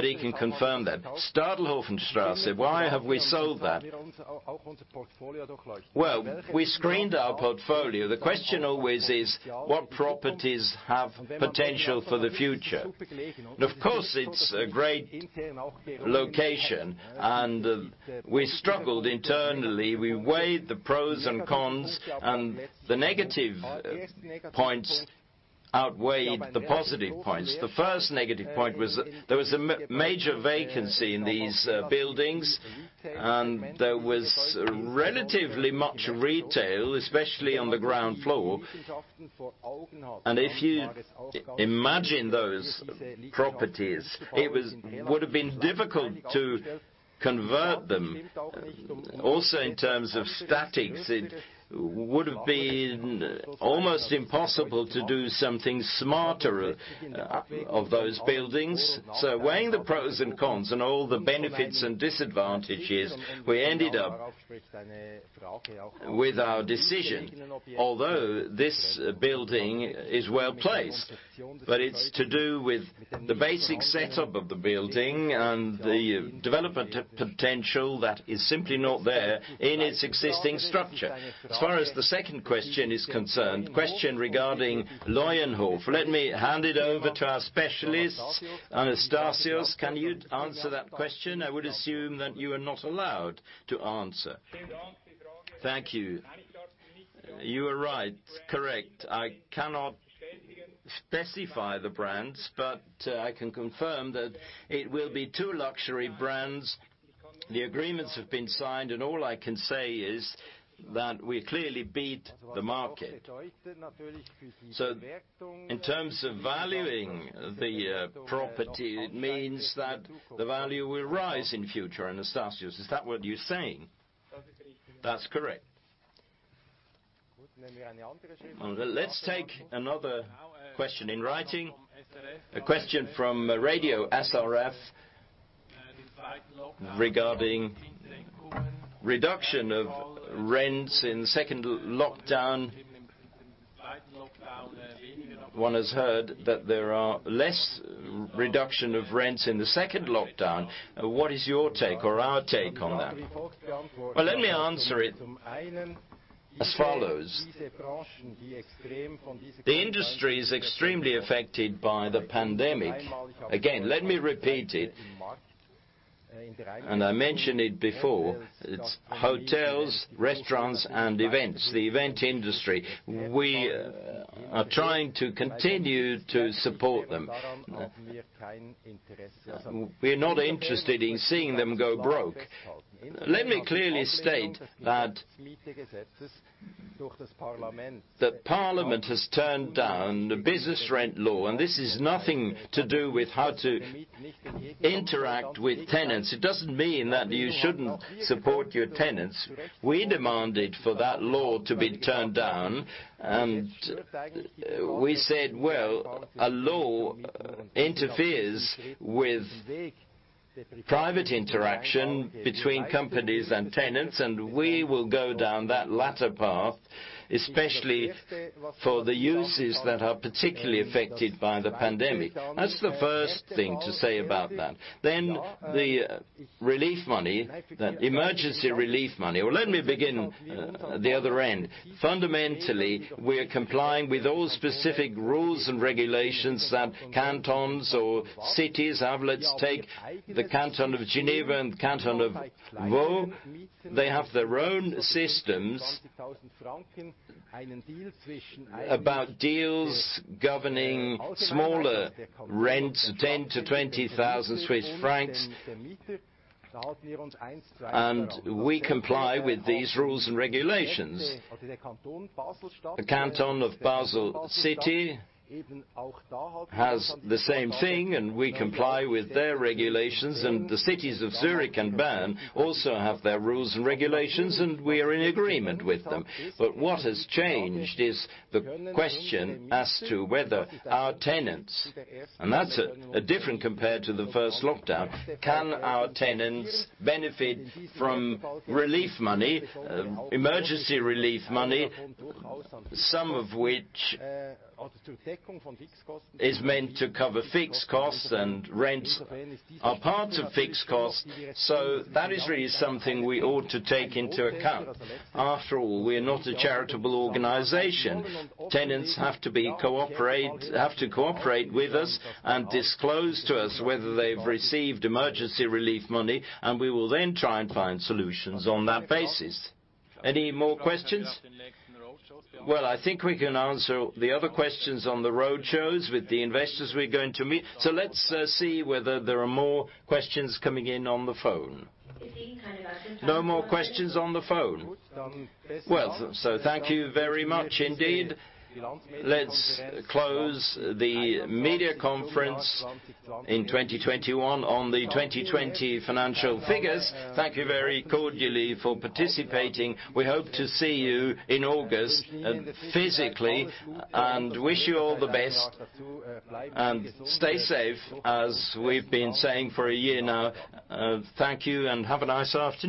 He can confirm that. Stadelhoferstrasse. Why have we sold that? Well, we screened our portfolio. The question always is, what properties have potential for the future? Of course, it's a great location, we struggled internally. We weighed the pros and cons, the negative points outweighed the positive points. The first negative point was that there was a major vacancy in these buildings, there was relatively much retail, especially on the ground floor. If you imagine those properties, it would have been difficult to convert them. Also, in terms of statics, it would have been almost impossible to do something smarter of those buildings. Weighing the pros and cons and all the benefits and disadvantages, we ended up with our decision. Although this building is well-placed. It's to do with the basic setup of the building and the development potential that is simply not there in its existing structure. As far as the second question is concerned, question regarding Löwenhof. Let me hand it over to our specialist. Anastasius, can you answer that question? I would assume that you are not allowed to answer. Thank you. You are right. Correct. I cannot specify the brands, but I can confirm that it will be two luxury brands. The agreements have been signed, and all I can say is that we clearly beat the market. In terms of valuing the property, it means that the value will rise in future, Anastasius. Is that what you're saying? That's correct. Let's take another question in writing. A question from Radio SRF regarding reduction of rents in the second lockdown. One has heard that there are less reduction of rents in the second lockdown. What is your take or our take on that? Let me answer it as follows. The industry is extremely affected by the pandemic. Let me repeat it, and I mentioned it before, it's hotels, restaurants, and events, the event industry. We are trying to continue to support them. We are not interested in seeing them go broke. Let me clearly state that the parliament has turned down the business rent law, and this is nothing to do with how to interact with tenants. It doesn't mean that you shouldn't support your tenants. We demanded for that law to be turned down. We said, well, a law interferes with private interaction between companies and tenants, and we will go down that latter path, especially for the uses that are particularly affected by the pandemic. That's the first thing to say about that. The relief money, the emergency relief money. Let me begin at the other end. Fundamentally, we are complying with all specific rules and regulations that cantons or cities have. Let's take the Canton of Geneva and Canton of Vaud. They have their own systems about deals governing smaller rents, 10,000-20,000 Swiss francs, and we comply with these rules and regulations. The Canton of Basel-City has the same thing, and we comply with their regulations, and the cities of Zurich and Bern also have their rules and regulations, and we are in agreement with them. What has changed is the question as to whether our tenants, and that's different compared to the first lockdown, can our tenants benefit from relief money, emergency relief money, some of which is meant to cover fixed costs, and rents are part of fixed costs. That is really something we ought to take into account. After all, we are not a charitable organization. Tenants have to cooperate with us and disclose to us whether they've received emergency relief money, and we will then try and find solutions on that basis. Any more questions? Well, I think we can answer the other questions on the road shows with the investors we're going to meet. Let's see whether there are more questions coming in on the phone. No more questions on the phone. Well, thank you very much indeed. Let's close the media conference in 2021 on the 2020 financial figures. Thank you very cordially for participating. We hope to see you in August physically and wish you all the best, and stay safe, as we've been saying for a year now. Thank you and have a nice afternoon.